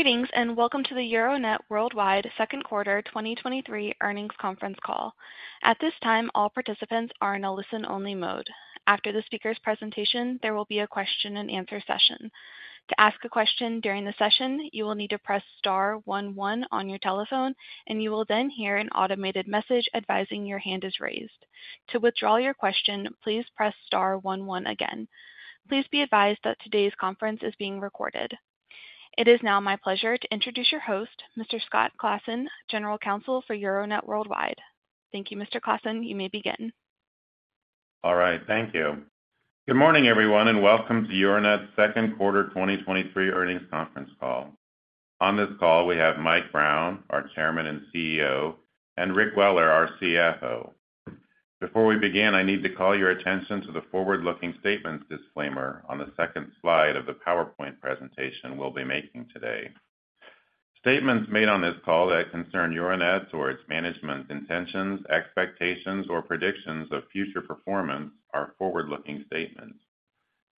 Greetings, welcome to the Euronet Worldwide Q2 2023 Earnings Conference Call. At this time, all participants are in a listen-only mode. After the speaker's presentation, there will be a question-and-answer session. To ask a question during the session, you will need to press star 11 on your telephone, you will then hear an automated message advising your hand is raised. To withdraw your question, please press star 11 again. Please be advised that today's conference is being recorded. It is now my pleasure to introduce your host, Mr. Scott Claassen, General Counsel for Euronet Worldwide. Thank you, Mr. Claassen. You may begin. All right. Thank you. Good morning, everyone, and welcome to Euronet's Q2 2023 earnings conference call. On this call, we have Mike Brown, our Chairman and CEO, and Rick Weller, our CFO. Before we begin, I need to call your attention to the forward-looking statements disclaimer on the second slide of the PowerPoint presentation we'll be making today. Statements made on this call that concern Euronet's or its management intentions, expectations, or predictions of future performance are forward-looking statements.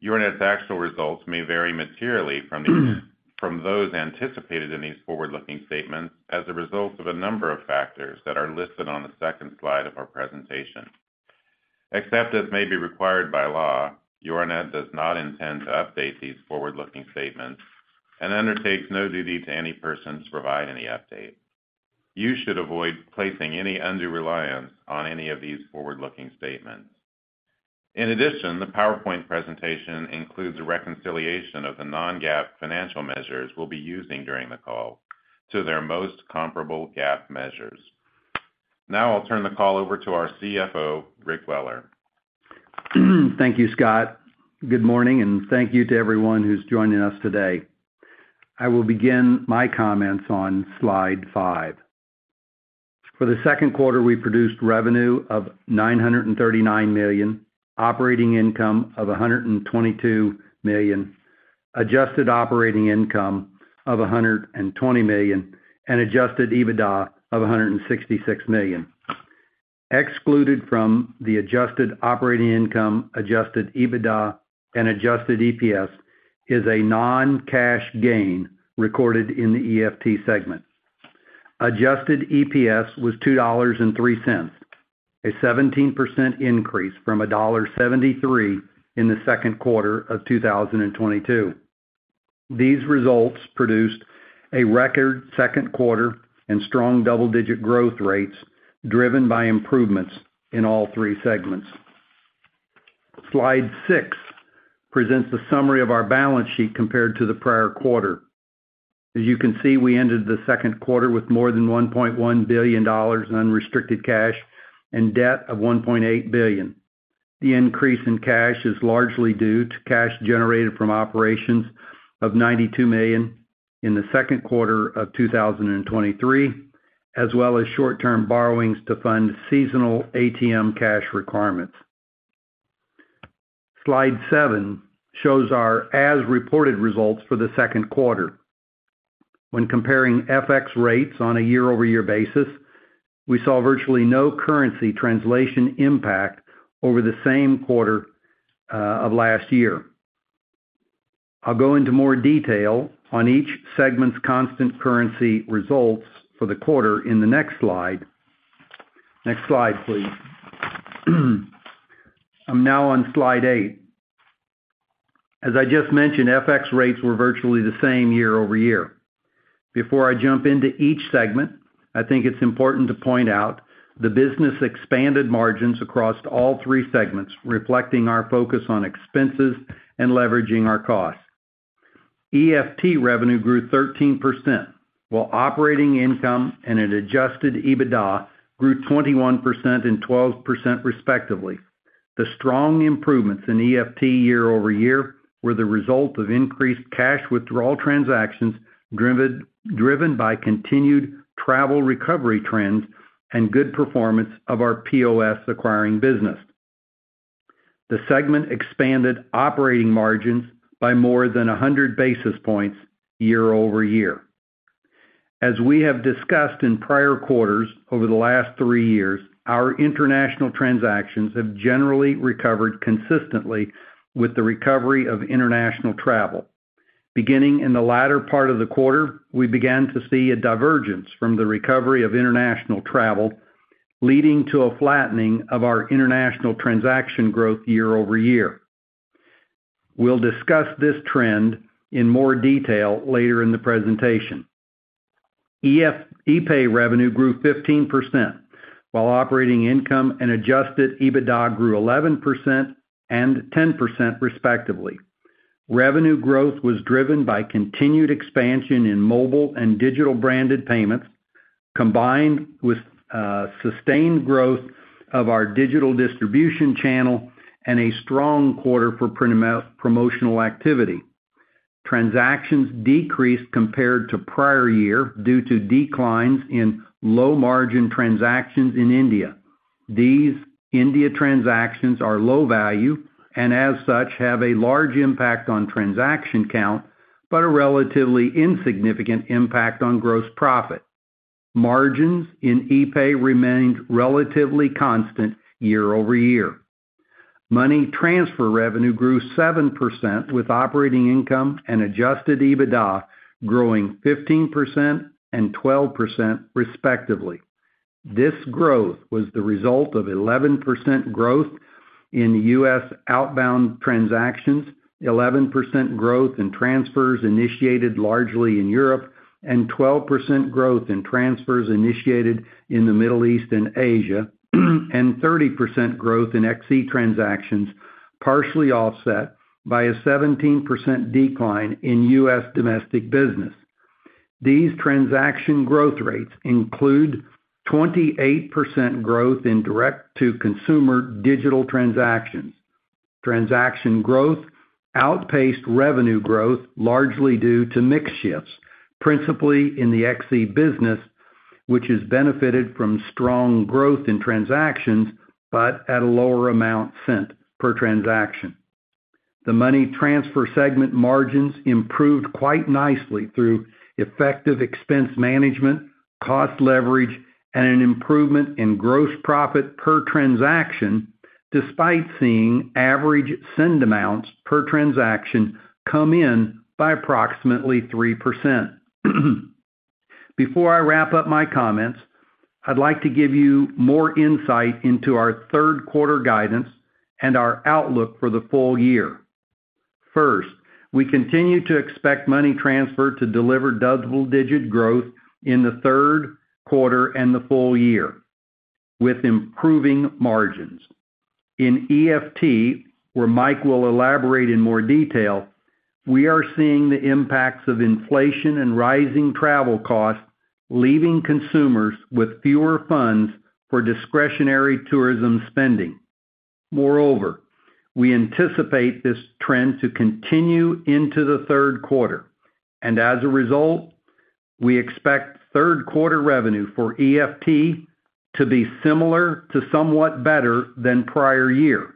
Euronet's actual results may vary materially from those anticipated in these forward-looking statements as a result of a number of factors that are listed on the second slide of our presentation. Except as may be required by law, Euronet does not intend to update these forward-looking statements and undertakes no duty to any person to provide any update. You should avoid placing any undue reliance on any of these forward-looking statements. In addition, the PowerPoint presentation includes a reconciliation of the Non-GAAP financial measures we'll be using during the call to their most comparable GAAP measures. Now I'll turn the call over to our CFO, Rick Weller. Thank you, Scott. Good morning. Thank you to everyone who's joining us today. I will begin my comments on slide five. For Q2, we produced revenue of $939 million, operating income of $122 million, adjusted operating income of $120 million, and adjusted EBITDA of $166 million. Excluded from the adjusted operating income, adjusted EBITDA, and adjusted EPS is a non-cash gain recorded in the EFT segment. Adjusted EPS was $2.03, a 17% increase from $1.73 in the Q2 of 2022. These results produced a record Q2 and strong double-digit growth rates, driven by improvements in all three segments. Slide SIX presents the summary of our balance sheet compared to the prior quarter. As you can see, we ended the Q2 with more than $1.1 billion in unrestricted cash and debt of $1.8 billion. The increase in cash is largely due to cash generated from operations of $92 million in the Q2 of 2023, as well as short-term borrowings to fund seasonal ATM cash requirements. Slide seven shows our as-reported results for the Q2. When comparing FX rates on a year-over-year basis, we saw virtually no currency translation impact over the same quarter of last year. I'll go into more detail on each segment's constant currency results for the quarter in the next slide. Next slide, please. I'm now on Slide eight. As I just mentioned, FX rates were virtually the same year-over-year. Before I jump into each segment, I think it's important to point out the business expanded margins across all three segments, reflecting our focus on expenses and leveraging our costs. EFT revenue grew 13%, while operating income and an adjusted EBITDA grew 21% and 12%, respectively. The strong improvements in EFT year-over-year were the result of increased cash withdrawal transactions, driven by continued travel recovery trends and good performance of our POS acquiring business. The segment expanded operating margins by more than 100 basis points year-over-year. As we have discussed in prior quarters over the last three years, our international transactions have generally recovered consistently with the recovery of international travel. Beginning in the latter part of the quarter, we began to see a divergence from the recovery of international travel, leading to a flattening of our international transaction growth year-over-year. We'll discuss this trend in more detail later in the presentation. epay revenue grew 15%, while operating income and adjusted EBITDA grew 11% and 10%, respectively. Revenue growth was driven by continued expansion in mobile and digital branded payments, combined with sustained growth of our digital distribution channel and a strong quarter for promotional activity. Transactions decreased compared to prior year due to declines in low-margin transactions in India. These India transactions are low value and, as such, have a large impact on transaction count, but a relatively insignificant impact on gross profit. Margins in epay remained relatively constant year-over-year. Money transfer revenue grew 7%, with operating income and adjusted EBITDA growing 15% and 12%, respectively. This growth was the result of 11% growth in U.S. outbound transactions, 11% growth in transfers initiated largely in Europe, and 12% growth in transfers initiated in the Middle East and Asia, and 30% growth in Xe transactions, partially offset by a 17% decline in U.S. domestic business. These transaction growth rates include 28% growth in direct-to-consumer digital transactions. Transaction growth outpaced revenue growth, largely due to mix shifts, principally in the Xe business, which has benefited from strong growth in transactions, but at a lower amount sent per transaction. The money transfer segment margins improved quite nicely through effective expense management, cost leverage, and an improvement in gross profit per transaction, despite seeing average send amounts per transaction come in by approximately 3%. Before I wrap up my comments, I'd like to give you more insight into our Q3 guidance and our outlook for the full year. First, we continue to expect money transfer to deliver double-digit growth in the third quarter and the full year, with improving margins. In EFT, where Mike will elaborate in more detail, we are seeing the impacts of inflation and rising travel costs, leaving consumers with fewer funds for discretionary tourism spending. Moreover, we anticipate this trend to continue into the Q3, and as a result, we expect Q3 revenue for EFT to be similar to somewhat better than prior year.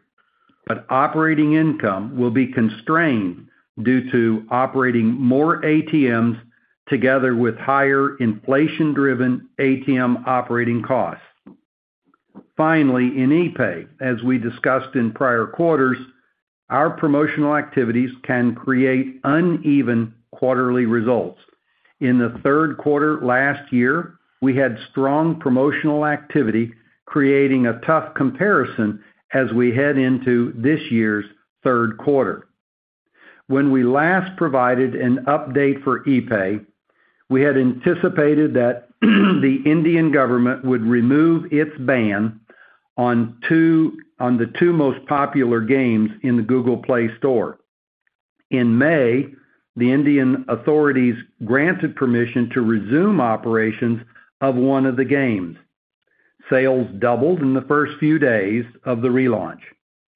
Operating income will be constrained due to operating more ATMs together with higher inflation-driven ATM operating costs. Finally, in epay, as we discussed in prior quarters, our promotional activities can create uneven quarterly results. In the Q3 last year, we had strong promotional activity, creating a tough comparison as we head into this year's Q3. When we last provided an update for epay, we had anticipated that, the Indian government would remove its ban on the two most popular games in the Google Play Store. In May, the Indian authorities granted permission to resume operations of one of the games. Sales doubled in the first few days of the relaunch,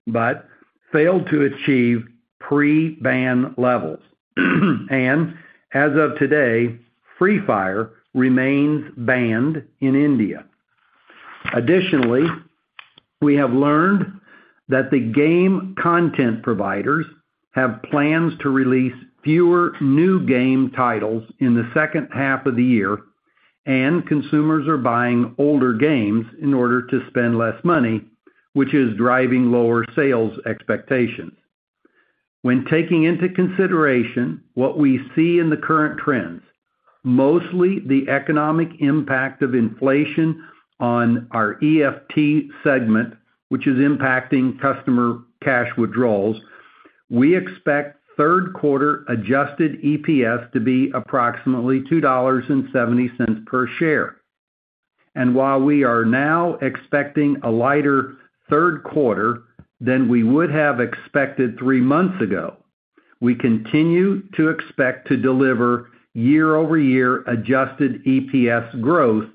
but failed to achieve pre-ban levels. As of today, Free Fire remains banned in India. Additionally, we have learned that the game content providers have plans to release fewer new game titles in the second half of the year, consumers are buying older games in order to spend less money, which is driving lower sales expectations. When taking into consideration what we see in the current trends, mostly the economic impact of inflation on our EFT segment, which is impacting customer cash withdrawals, we expect Q3 adjusted EPS to be approximately $2.70 per share. While we are now expecting a lighterQ3 than we would have expected three months ago, we continue to expect to deliver year-over-year adjusted EPS growth,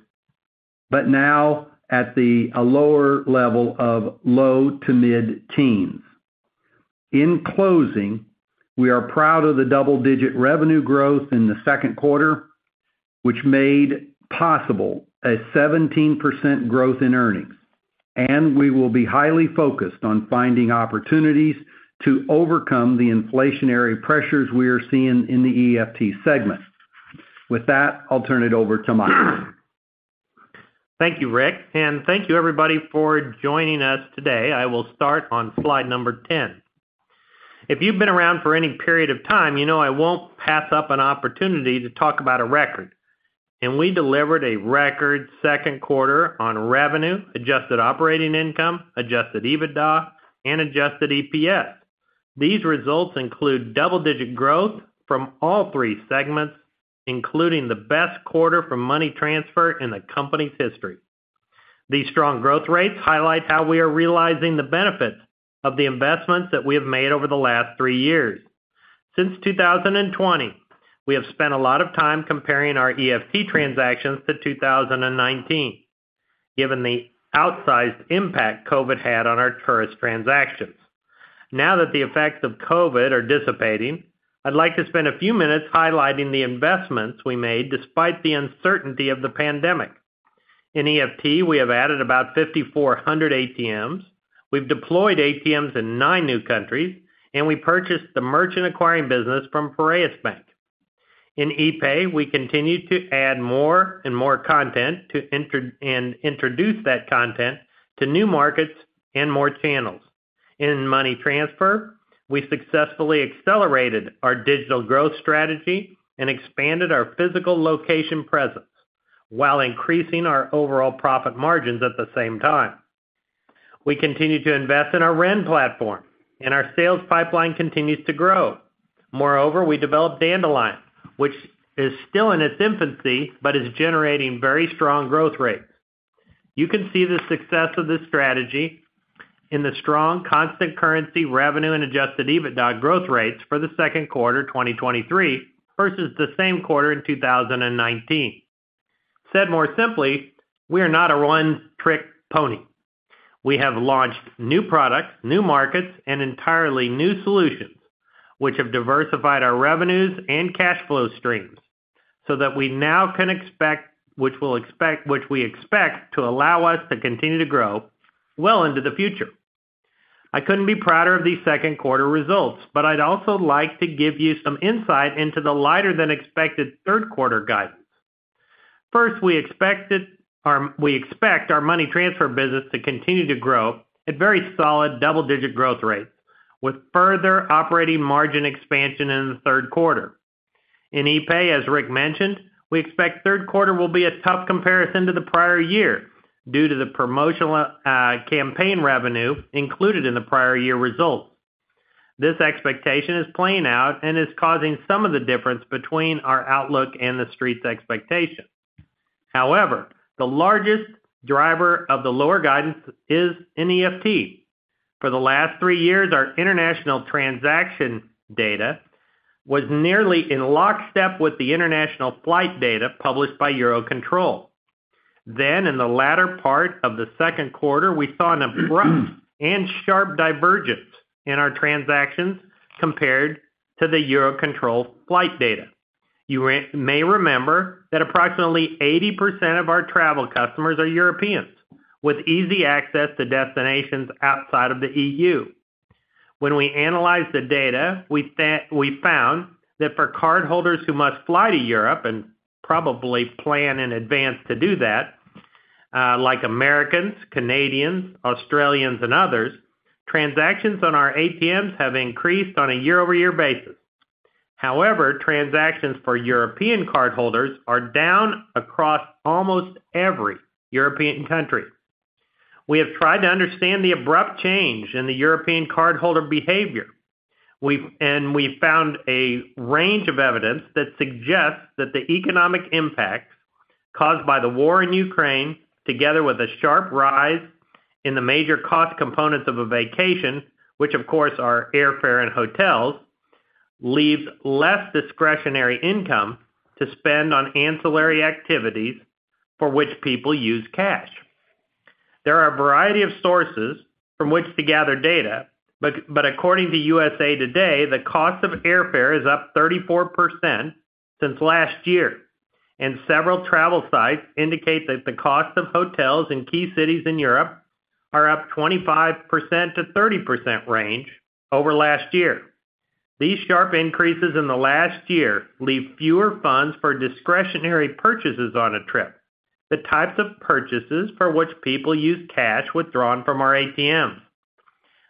but now at a lower level of low to mid-teens. In closing, we are proud of the double-digit revenue growth in the second quarter, which made possible a 17% growth in earnings. We will be highly focused on finding opportunities to overcome the inflationary pressures we are seeing in the EFT segment. With that, I'll turn it over to Mike. Thank you, Rick, and thank you, everybody, for joining us today. I will start on slide number 10. If you've been around for any period of time, you know I won't pass up an opportunity to talk about a record, and we delivered a record second quarter on revenue, adjusted operating income, adjusted EBITDA, and adjusted EPS. These results include double-digit growth from all three segments, including the best quarter for money transfer in the company's history. These strong growth rates highlight how we are realizing the benefits of the investments that we have made over the last three years. Since 2020, we have spent a lot of time comparing our EFT transactions to 2019, given the outsized impact COVID had on our tourist transactions. Now that the effects of COVID are dissipating, I'd like to spend a few minutes highlighting the investments we made despite the uncertainty of the pandemic. In EFT, we have added about 5,400 ATMs, we've deployed ATMs in nine new countries, and we purchased the merchant acquiring business from Piraeus Bank. In epay, we continued to add more and more content and introduce that content to new markets and more channels. In money transfer, we successfully accelerated our digital growth strategy and expanded our physical location presence while increasing our overall profit margins at the same time. We continued to invest in our Ren platform, and our sales pipeline continues to grow. Moreover, we developed Dandelion, which is still in its infancy, but is generating very strong growth rates. You can see the success of this strategy in the strong constant currency revenue and adjusted EBITDA growth rates for the Q2, 2023 versus the same quarter in 2019. Said more simply, we are not a one-trick pony. We have launched new products, new markets, and entirely new solutions, which have diversified our revenues and cash flow streams so that which we expect to allow us to continue to grow well into the future. I couldn't be prouder of these second quarter results. I'd also like to give you some insight into the lighter-than-expected third quarter guidance. First, we expect our money transfer business to continue to grow at very solid double-digit growth rates, with further operating margin expansion in the Q3. In epay, as Rick mentioned, we expect third quarter will be a tough comparison to the prior year due to the promotional campaign revenue included in the prior year results. This expectation is playing out and is causing some of the difference between our outlook and the street's expectations. However, the largest driver of the lower guidance is in EFT. For the last three years, our international transaction data was nearly in lockstep with the international flight data published by EUROCONTROL. In the latter part of the second quarter, we saw an abrupt and sharp divergence in our transactions compared to the EUROCONTROL flight data. You may remember that approximately 80% of our travel customers are Europeans, with easy access to destinations outside of the EU. When we analyzed the data, we found that for cardholders who must fly to Europe and probably plan in advance to do that, like Americans, Canadians, Australians, and others, transactions on our ATMs have increased on a year-over-year basis. Transactions for European cardholders are down across almost every European country. We have tried to understand the abrupt change in the European cardholder behavior. We found a range of evidence that suggests that the economic impacts caused by the war in Ukraine, together with a sharp rise in the major cost components of a vacation, which of course, are airfare and hotels, leaves less discretionary income to spend on ancillary activities for which people use cash. There are a variety of sources from which to gather data, but according to the USA Today, the cost of airfare is up 34% since last year, and several travel sites indicate that the cost of hotels in key cities in Europe are up 25%-30% range over last year. These sharp increases in the last year leave fewer funds for discretionary purchases on a trip, the types of purchases for which people use cash withdrawn from our ATMs.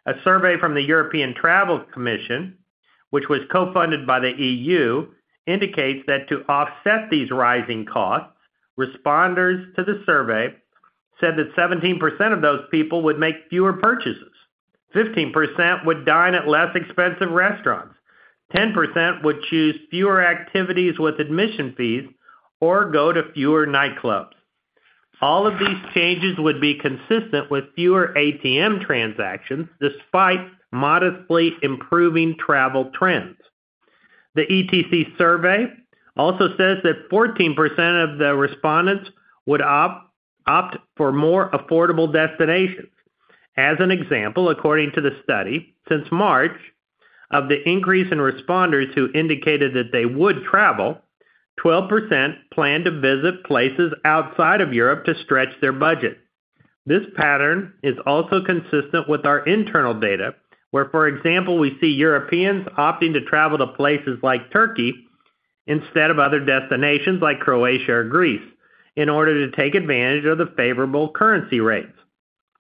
A survey from the European Travel Commission, which was co-funded by the EU, indicates that to offset these rising costs, responders to the survey said that 17% of those people would make fewer purchases, 15% would dine at less expensive restaurants, 10% would choose fewer activities with admission fees or go to fewer nightclubs. All of these changes would be consistent with fewer ATM transactions, despite modestly improving travel trends. The ETC survey also says that 14% of the respondents would opt for more affordable destinations. As an example, according to the study, since March, of the increase in responders who indicated that they would travel, 12% plan to visit places outside of Europe to stretch their budget. This pattern is also consistent with our internal data, where, for example, we see Europeans opting to travel to places like Turkey instead of other destinations like Croatia or Greece, in order to take advantage of the favorable currency rates.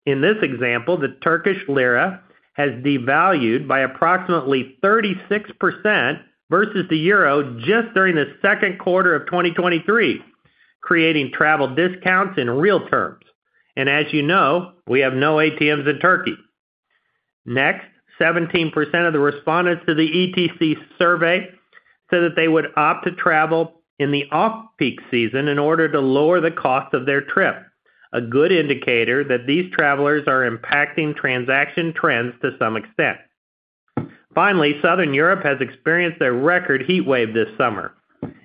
In this example, the Turkish lira has devalued by approximately 36% versus the euro just during the Q2 of 2023, creating travel discounts in real terms. As you know, we have no ATMs in Turkey. 17% of the respondents to the ETC survey said that they would opt to travel in the off-peak season in order to lower the cost of their trip, a good indicator that these travelers are impacting transaction trends to some extent. Southern Europe has experienced a record heat wave this summer.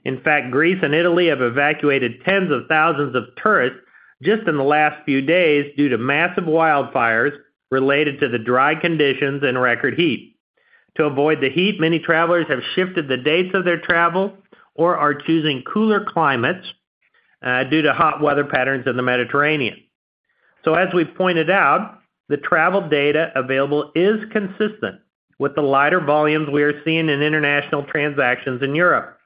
In fact, Greece and Italy have evacuated tens of thousands of tourists just in the last few days due to massive wildfires related to the dry conditions and record heat. To avoid the heat, many travelers have shifted the dates of their travel or are choosing cooler climates due to hot weather patterns in the Mediterranean. As we've pointed out, the travel data available is consistent with the lighter volumes we are seeing in international transactions in Europe.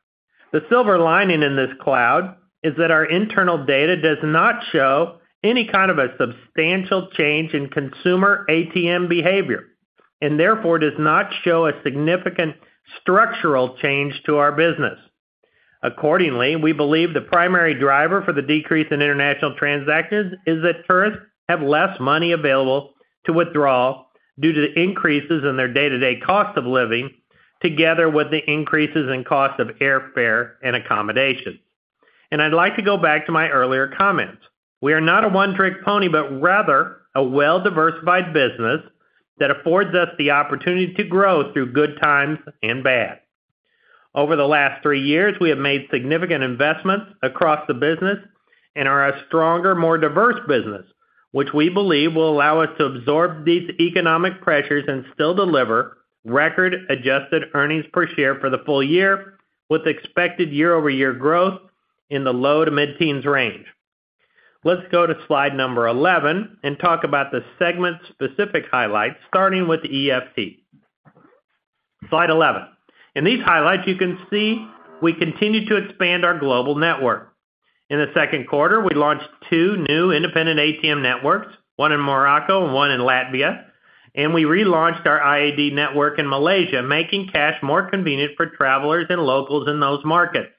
The silver lining in this cloud is that our internal data does not show any kind of a substantial change in consumer ATM behavior, and therefore does not show a significant structural change to our business. Accordingly, we believe the primary driver for the decrease in international transactions is that tourists have less money available to withdraw due to the increases in their day-to-day cost of living, together with the increases in cost of airfare and accommodation. I'd like to go back to my earlier comments. We are not a one-trick pony, but rather a well-diversified business that affords us the opportunity to grow through good times and bad. Over the last three years, we have made significant investments across the business and are a stronger, more diverse business, which we believe will allow us to absorb these economic pressures and still deliver record-adjusted earnings per share for the full year, with expected year-over-year growth in the low to mid-teens range. Let's go to slide number 11 and talk about the segment-specific highlights, starting with EFT. Slide 11. In these highlights, you can see we continue to expand our global network. In the Q2, we launched two new independent ATM networks, one in Morocco and one in Latvia, and we relaunched our IAD network in Malaysia, making cash more convenient for travelers and locals in those markets.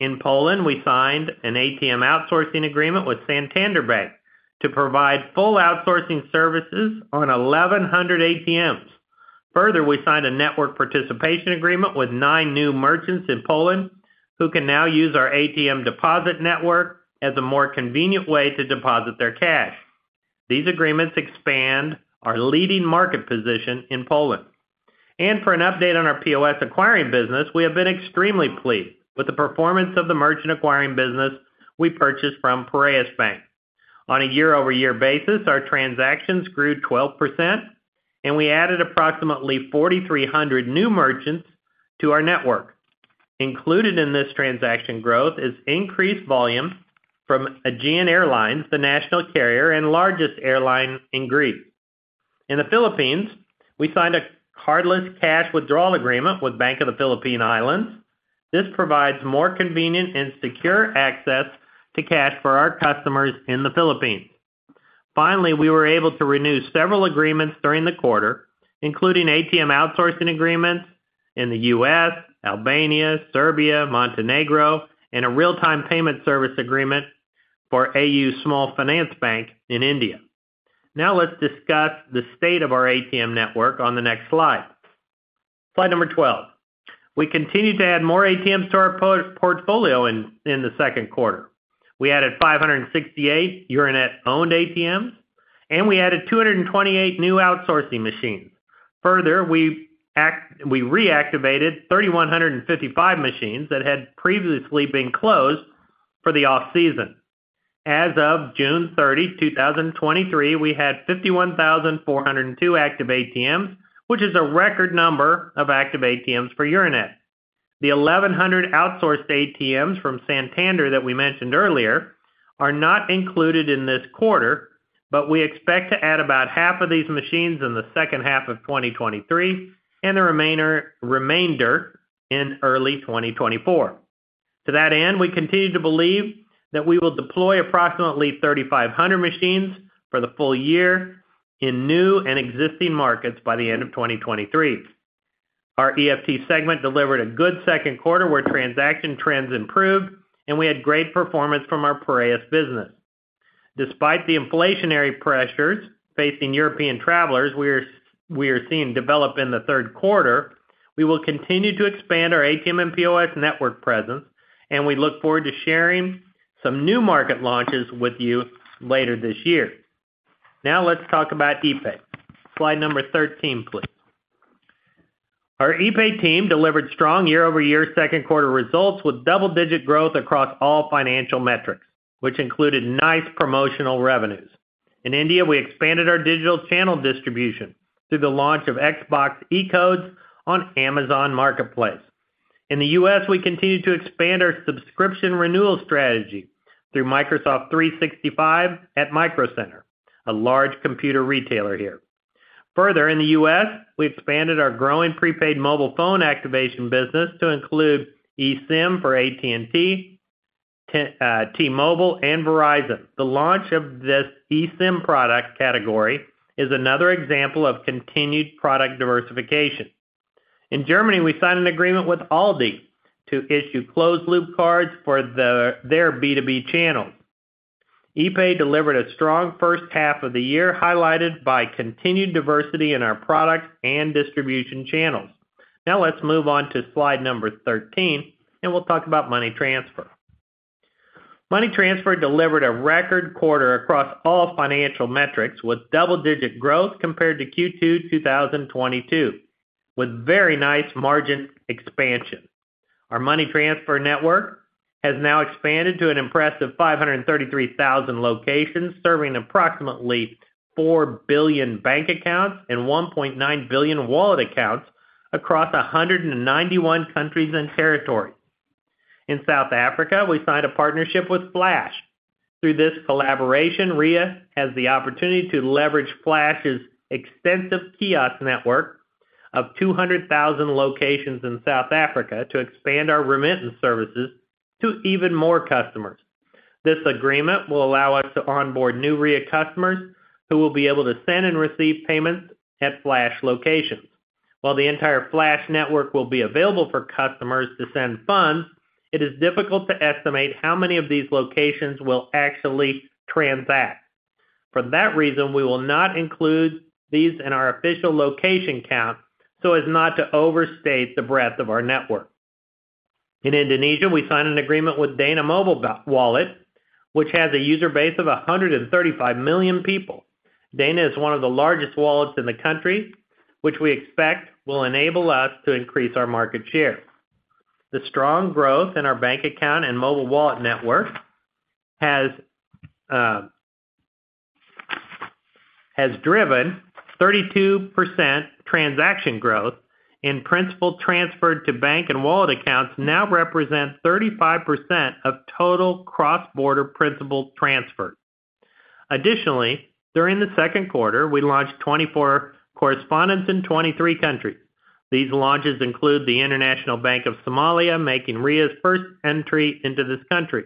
In Poland, we signed an ATM outsourcing agreement with Santander Bank to provide full outsourcing services on 1,100 ATMs. Further, we signed a network participation agreement with nine new merchants in Poland, who can now use our ATM deposit network as a more convenient way to deposit their cash. These agreements expand our leading market position in Poland. For an update on our POS acquiring business, we have been extremely pleased with the performance of the merchant acquiring business we purchased from Piraeus Bank. On a year-over-year basis, our transactions grew 12%, and we added approximately 4,300 new merchants to our network. Included in this transaction growth is increased volume from Aegean Airlines, the national carrier and largest airline in Greece. In the Philippines, we signed a cardless cash withdrawal agreement with Bank of the Philippine Islands. This provides more convenient and secure access to cash for our customers in the Philippines. We were able to renew several agreements during the quarter, including ATM outsourcing agreements in the U.S., Albania, Serbia, Montenegro, and a real-time payment service agreement for AU Small Finance Bank in India. Let's discuss the state of our ATM network on the next slide. Slide number 12. We continued to add more ATMs to our portfolio in Q2. We added 568 Euronet-owned ATMs, and we added 228 new outsourcing machines. We reactivated 3,155 machines that had previously been closed for the off-season. As of June 30, 2023, we had 51,402 active ATMs, which is a record number of active ATMs for Euronet. The 1,100 outsourced ATMs from Santander that we mentioned earlier, are not included in this quarter. We expect to add about half of these machines in the second half of 2023, and the remainder in early 2024. To that end, we continue to believe that we will deploy approximately 3,500 machines for the full year in new and existing markets by the end of 2023. Our EFT segment delivered a good second quarter, where transaction trends improved. We had great performance from our Piraeus business. Despite the inflationary pressures facing European travelers, we are seeing develop in the third quarter, we will continue to expand our ATM and POS network presence. We look forward to sharing some new market launches with you later this year. Let's talk about epay. Slide number 13, please. Our epay team delivered strong year-over-year second quarter results with double-digit growth across all financial metrics, which included nice promotional revenues. In India, we expanded our digital channel distribution through the launch of Xbox eCodes on Amazon Marketplace. In the U.S., we continued to expand our subscription renewal strategy through Microsoft 365 at Micro Center, a large computer retailer here. Further, in the U.S., we expanded our growing prepaid mobile phone activation business to include eSIM for AT&T-Mobile, and Verizon. The launch of this eSIM product category is another example of continued product diversification. In Germany, we signed an agreement with ALDI to issue closed-loop cards for their B2B channel. epay delivered a strong first half of the year, highlighted by continued diversity in our products and distribution channels. Now, let's move on to slide number 13, and we'll talk about money transfer. Money transfer delivered a record quarter across all financial metrics, with double-digit growth compared to Q2 2022, with very nice margin expansion. Our money transfer network has now expanded to an impressive 533,000 locations, serving approximately 4 billion bank accounts and 1.9 billion wallet accounts across 191 countries and territories. In South Africa, we signed a partnership with Flash. Through this collaboration, Ria has the opportunity to leverage Flash's extensive kiosk network of 200,000 locations in South Africa to expand our remittance services to even more customers. This agreement will allow us to onboard new Ria customers, who will be able to send and receive payments at Flash locations. While the entire Flash network will be available for customers to send funds, it is difficult to estimate how many of these locations will actually transact. For that reason, we will not include these in our official location count, so as not to overstate the breadth of our network. In Indonesia, we signed an agreement with DANA Mobile Wallet, which has a user base of 135 million people. DANA is one of the largest wallets in the country, which we expect will enable us to increase our market share. The strong growth in our bank account and mobile wallet network has driven 32% transaction growth, and principal transferred to bank and wallet accounts now represent 35% of total cross-border principal transfer. Additionally, during the second quarter, we launched 24 correspondents in 23 countries. These launches include the International Bank of Somalia, making Ria's first entry into this country.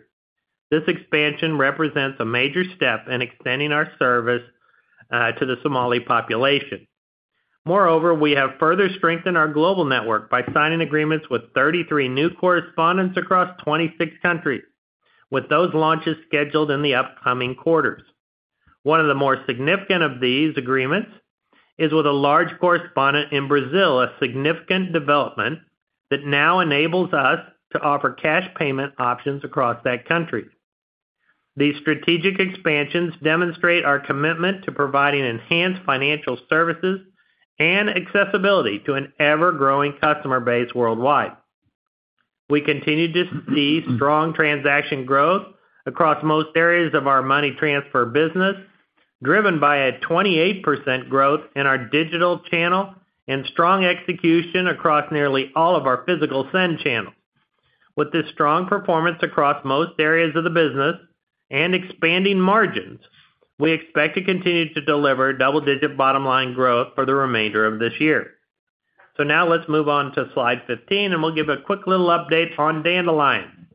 This expansion represents a major step in extending our service to the Somali population. Moreover, we have further strengthened our global network by signing agreements with 33 new correspondents across 26 countries, with those launches scheduled in the upcoming quarters. One of the more significant of these agreements is with a large correspondent in Brazil, a significant development that now enables us to offer cash payment options across that country. These strategic expansions demonstrate our commitment to providing enhanced financial services and accessibility to an ever-growing customer base worldwide. We continue to see strong transaction growth across most areas of our money transfer business, driven by a 28% growth in our digital channel and strong execution across nearly all of our physical send channels. With this strong performance across most areas of the business and expanding margins, we expect to continue to deliver double-digit bottom-line growth for the remainder of this year. Now let's move on to slide 15, and we'll give a quick little update on Dandelion.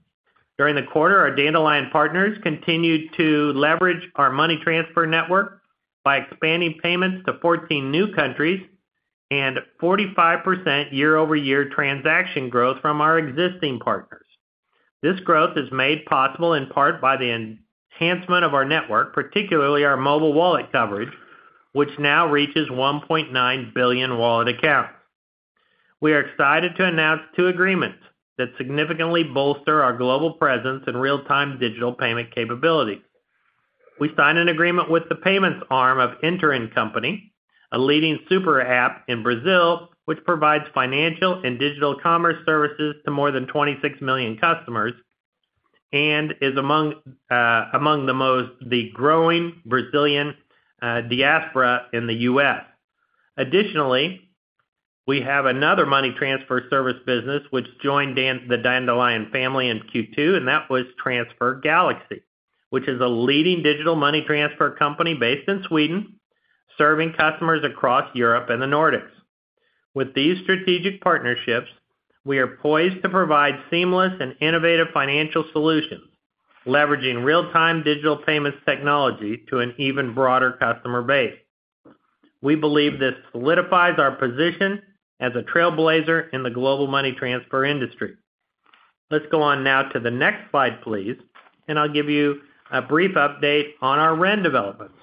During the quarter, our Dandelion partners continued to leverage our money transfer network by expanding payments to 14 new countries, and 45% year-over-year transaction growth from our existing partners. This growth is made possible in part by the enhancement of our network, particularly our mobile wallet coverage, which now reaches 1.9 billion wallet accounts. We are excited to announce 2 agreements that significantly bolster our global presence in real-time digital payment capabilities. We signed an agreement with the payments arm of Inter&Co, a leading super app in Brazil, which provides financial and digital commerce services to more than 26 million customers, and is among the most growing Brazilian diaspora in the U.S. Additionally, we have another money transfer service business which joined the Dandelion family in Q2, and that was TransferGalaxy, which is a leading digital money transfer company based in Sweden, serving customers across Europe and the Nordics. With these strategic partnerships, we are poised to provide seamless and innovative financial solutions, leveraging real-time digital payments technology to an even broader customer base. We believe this solidifies our position as a trailblazer in the global money transfer industry. Let's go on now to the next slide, please, and I'll give you a brief update on our Ren developments.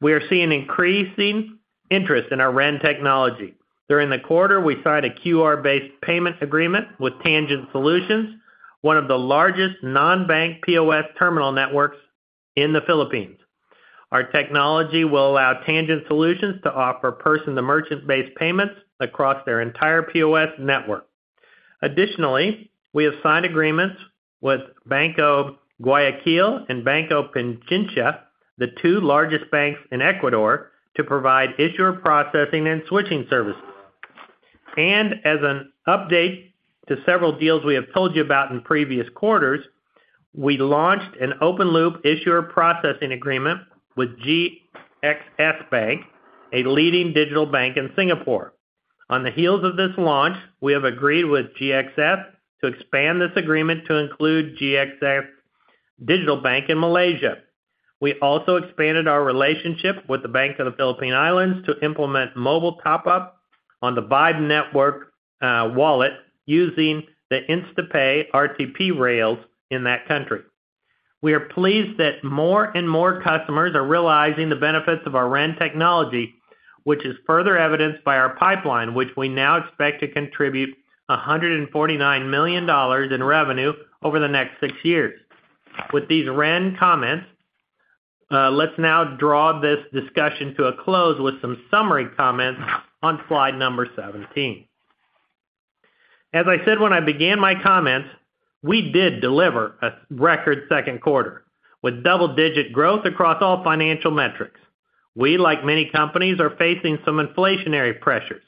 We are seeing increasing interest in our Ren technology. During the quarter, we signed a QR-based payment agreement with Tangent, one of the largest non-bank POS terminal networks in the Philippines. Our technology will allow Tangent to offer person-to-merchant-based payments across their entire POS network. Additionally, we have signed agreements with Banco Guayaquil and Banco Pichincha, the two largest banks in Ecuador, to provide issuer processing and switching services. As an update to several deals we have told you about in previous quarters, we launched an open loop issuer processing agreement with GXS Bank, a leading digital bank in Singapore. On the heels of this launch, we have agreed with GXS to expand this agreement to include GXBank in Malaysia. We also expanded our relationship with the Bank of the Philippine Islands to implement mobile top-up on the Vibe Network, wallet using the InstaPay RTP rails in that country. We are pleased that more and more customers are realizing the benefits of our Ren technology, which is further evidenced by our pipeline, which we now expect to contribute $149 million in revenue over the next 6 years. With these Ren comments, let's now draw this discussion to a close with some summary comments on slide number 17. As I said when I began my comments, we did deliver a record second quarter, with double-digit growth across all financial metrics.... We, like many companies, are facing some inflationary pressures,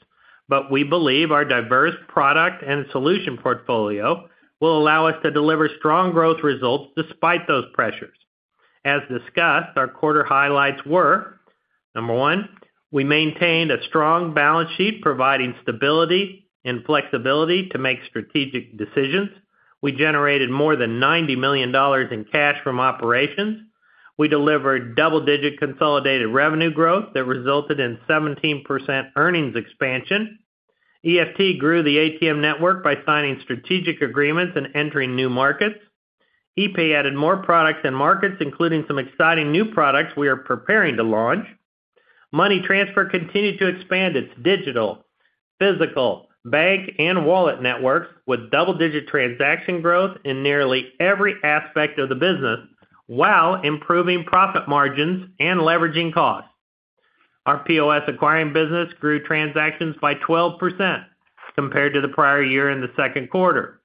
but we believe our diverse product and solution portfolio will allow us to deliver strong growth results despite those pressures. As discussed, our quarter highlights were: number one, we maintained a strong balance sheet, providing stability and flexibility to make strategic decisions. We generated more than $90 million in cash from operations. We delivered double-digit consolidated revenue growth that resulted in 17% earnings expansion. EFT grew the ATM network by signing strategic agreements and entering new markets. epay added more products and markets, including some exciting new products we are preparing to launch. Money transfer continued to expand its digital, physical, bank, and wallet networks, with double-digit transaction growth in nearly every aspect of the business, while improving profit margins and leveraging costs. Our POS acquiring business grew transactions by 12% compared to the prior year in the second quarter.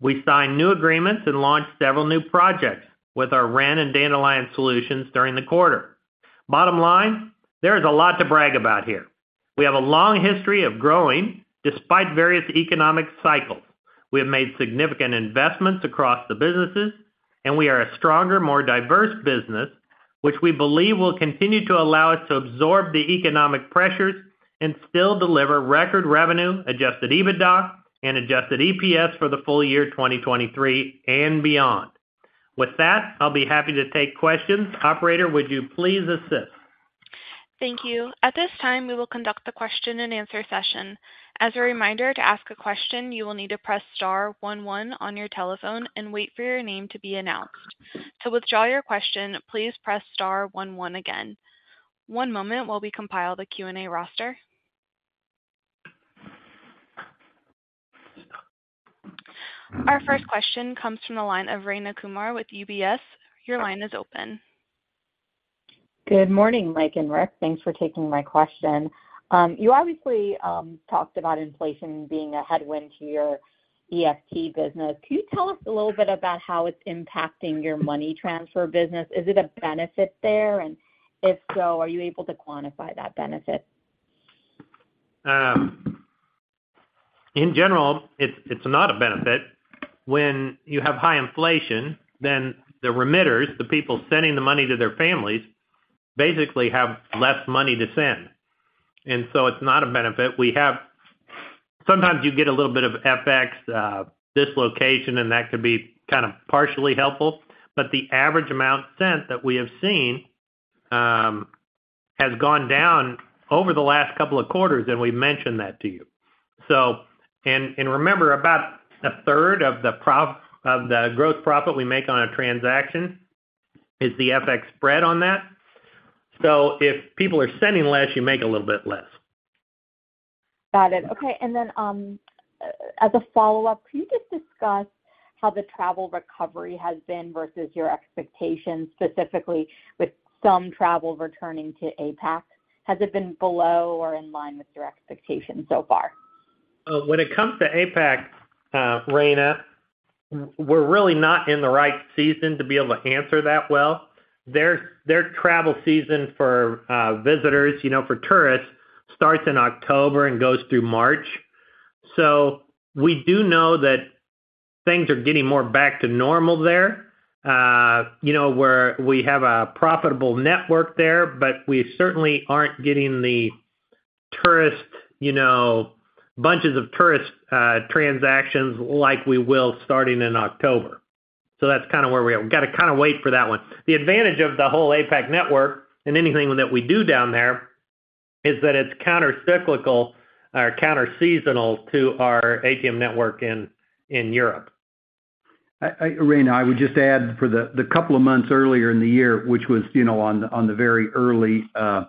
We signed new agreements and launched several new projects with our Ren and Dandelion solutions during the quarter. Bottom line, there is a lot to brag about here. We have a long history of growing despite various economic cycles. We have made significant investments across the businesses, and we are a stronger, more diverse business, which we believe will continue to allow us to absorb the economic pressures and still deliver record revenue, adjusted EBITDA, and adjusted EPS for the full year 2023 and beyond. With that, I'll be happy to take questions. Operator, would you please assist? Thank you. At this time, we will conduct the question-and-answer session. As a reminder, to ask a question, you will need to press star one on your telephone and wait for your name to be announced. To withdraw your question, please press star one again. One moment while we compile the Q&A roster. Our first question comes from the line of Rayna Kumar with UBS. Your line is open. Good morning, Mike and Rick. Thanks for taking my question. You obviously, talked about inflation being a headwind to your EFT business. Can you tell us a little bit about how it's impacting your money transfer business? Is it a benefit there? If so, are you able to quantify that benefit? In general, it's not a benefit. When you have high inflation, the remitters, the people sending the money to their families, basically have less money to send. It's not a benefit. Sometimes you get a little bit of FX dislocation, that could be kind of partially helpful. The average amount sent that we have seen has gone down over the last quarters. We've mentioned that to you. Remember, about a third of the growth profit we make on a transaction is the FX spread on that. If people are sending less, you make a little bit less. Got it. Okay, as a follow-up, can you just discuss how the travel recovery has been versus your expectations, specifically with some travel returning to APAC? Has it been below or in line with your expectations so far? When it comes to APAC, Rayna, we're really not in the right season to be able to answer that well. Their, their travel season for visitors, you know, for tourists, starts in October and goes through March. We do know that things are getting more back to normal there, you know, where we have a profitable network there, but we certainly aren't getting the tourist, you know, bunches of tourist transactions like we will starting in October. That's kind of where we are. We've got to kind of wait for that one. The advantage of the whole APAC network and anything that we do down there, is that it's countercyclical or counterseasonal to our ATM network in Europe. I, Rayna, I would just add, for the couple of months earlier in the year, which was, you know, on the very early part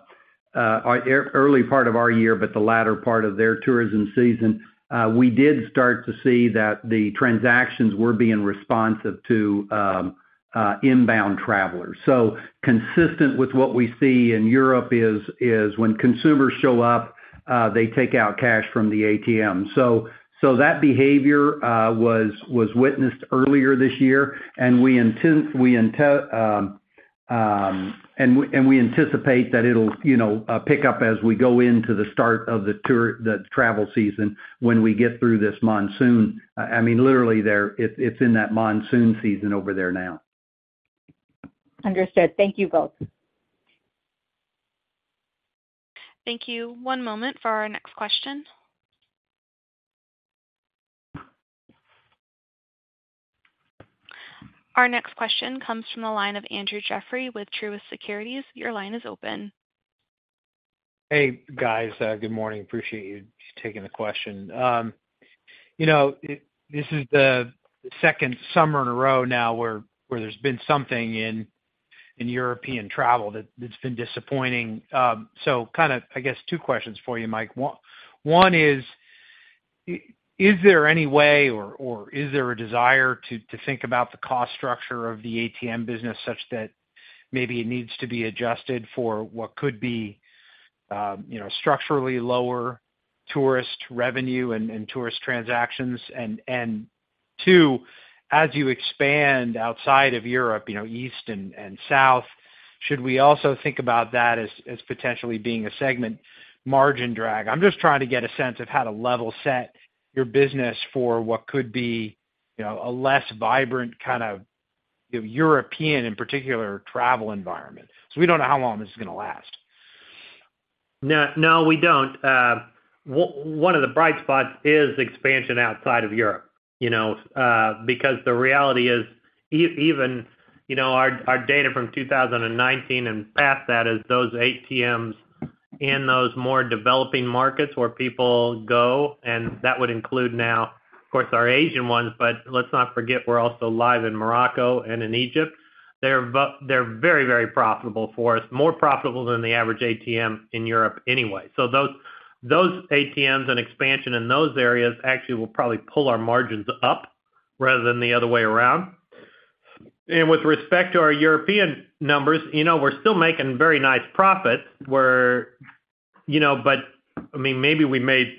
of our year, but the latter part of their tourism season, we did start to see that the transactions were being responsive to inbound travelers. Consistent with what we see in Europe is when consumers show up, they take out cash from the ATM. That behavior was witnessed earlier this year, and we anticipate that it'll, you know, pick up as we go into the start of the travel season, when we get through this monsoon. I mean, literally, there, it's in that monsoon season over there now. Understood. Thank you both. Thank you. One moment for our next question. Our next question comes from the line of Andrew Jeffrey with Truist Securities. Your line is open. Hey, guys, good morning. Appreciate you taking the question. You know, this is the second summer in a row now where there's been something in European travel that's been disappointing. Kind of, I guess, two questions for you, Mike. One is there any way or is there a desire to think about the cost structure of the ATM business such that maybe it needs to be adjusted for what could be, you know, structurally lower tourist revenue and tourist transactions? Two, as you expand outside of Europe, you know, east and south, should we also think about that as potentially being a segment margin drag? I'm just trying to get a sense of how to level set your business for what could be, you know, a less vibrant kind of, you know, European in particular, travel environment. We don't know how long this is gonna last. No, no, we don't. one of the bright spots is expansion outside of Europe, you know, because the reality is, even, you know, our data from 2019 and past that, is those ATMs in those more developing markets where people go, and that would include now, of course, our Asian ones, but let's not forget, we're also live in Morocco and in Egypt. They're very, very profitable for us, more profitable than the average ATM in Europe anyway. those ATMs and expansion in those areas actually will probably pull our margins up rather than the other way around. With respect to our European numbers, you know, we're still making very nice profits. We're, you know, but I mean, maybe we made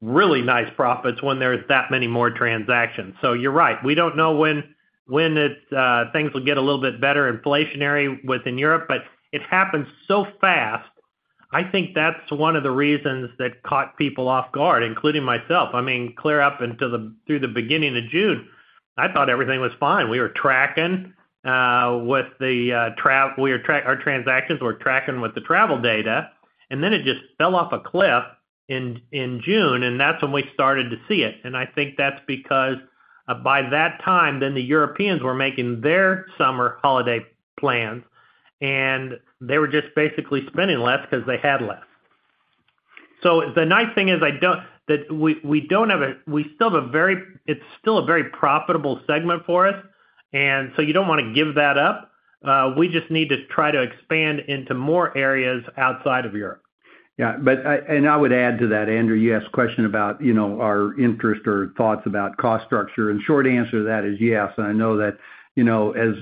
really nice profits when there's that many more transactions. You're right, we don't know when it things will get a little bit better inflationary within Europe, but it happened so fast. I think that's one of the reasons that caught people off guard, including myself. I mean, clear up until through the beginning of June, I thought everything was fine. We were tracking with the our transactions were tracking with the travel data, and then it just fell off a cliff in June, and that's when we started to see it. I think that's because by that time, then the Europeans were making their summer holiday plans, and they were just basically spending less because they had less. The nice thing is it's still a very profitable segment for us, and so you don't wanna give that up. We just need to try to expand into more areas outside of Europe. I would add to that, Andrew, you asked a question about, you know, our interest or thoughts about cost structure, and short answer to that is yes. I know that, you know, as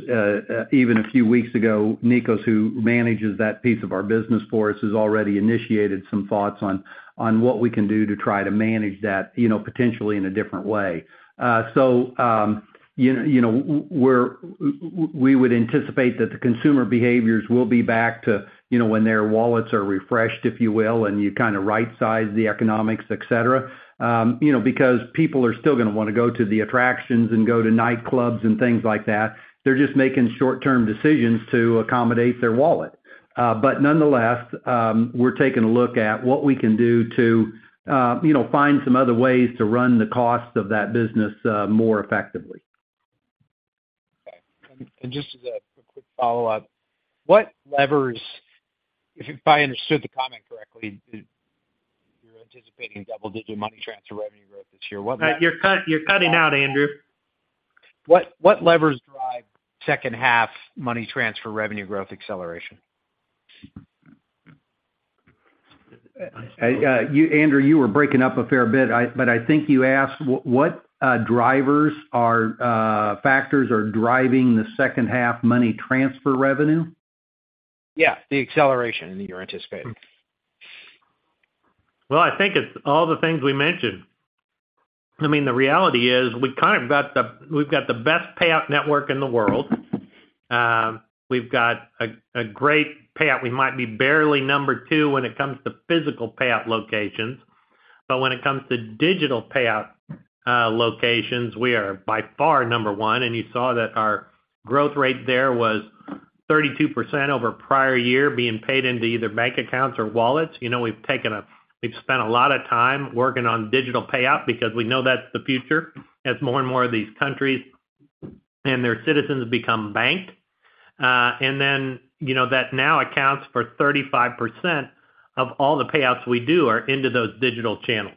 even a few weeks ago, Nikos, who manages that piece of our business for us, has already initiated some thoughts on what we can do to try to manage that, you know, potentially in a different way. You know, we would anticipate that the consumer behaviors will be back to, you know, when their wallets are refreshed, if you will, and you kind of right-size the economics, et cetera. You know, people are still gonna wanna go to the attractions and go to nightclubs and things like that. They're just making short-term decisions to accommodate their wallet. Nonetheless, we're taking a look at what we can do to, you know, find some other ways to run the cost of that business more effectively. Okay. Just as a quick follow-up, what levers, if I understood the comment correctly, you're anticipating double-digit money transfer revenue growth this year? You're cutting out, Andrew. What levers drive second half money transfer revenue growth acceleration? Andrew, you were breaking up a fair bit, I think you asked, what drivers are factors are driving the second half money transfer revenue? Yeah, the acceleration that you're anticipating. Well, I think it's all the things we mentioned. I mean, the reality is, we've kind of got the best payout network in the world. We've got a great payout. We might be barely number two when it comes to physical payout locations, but when it comes to digital payout, locations, we are by far number one. You saw that our growth rate there was 32% over prior year, being paid into either bank accounts or wallets. You know, we've spent a lot of time working on digital payout because we know that's the future, as more and more of these countries and their citizens become banked. You know, that now accounts for 35% of all the payouts we do are into those digital channels.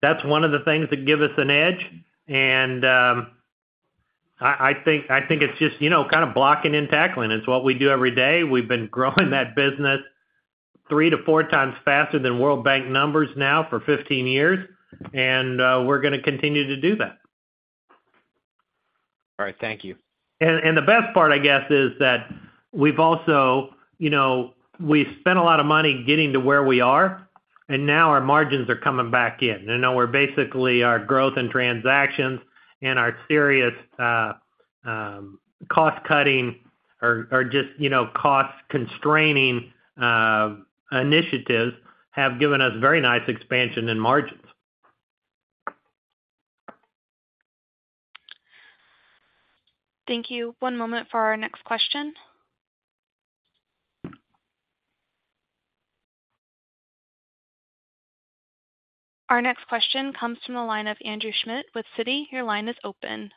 That's one of the things that give us an edge, and I think it's just, you know, kind of blocking and tackling. It's what we do every day. We've been growing that business three to four times faster than World Bank numbers now for 15 years, and we're gonna continue to do that. All right. Thank you. The best part, I guess, is that we've also, you know, we've spent a lot of money getting to where we are, and now our margins are coming back in. You know, where basically, our growth in transactions and our serious, cost-cutting or just, you know, cost-constraining, initiatives have given us very nice expansion in margins. Thank you. One moment for our next question. Our next question comes from the line of Andrew Schmidt with Citi. Your line is open.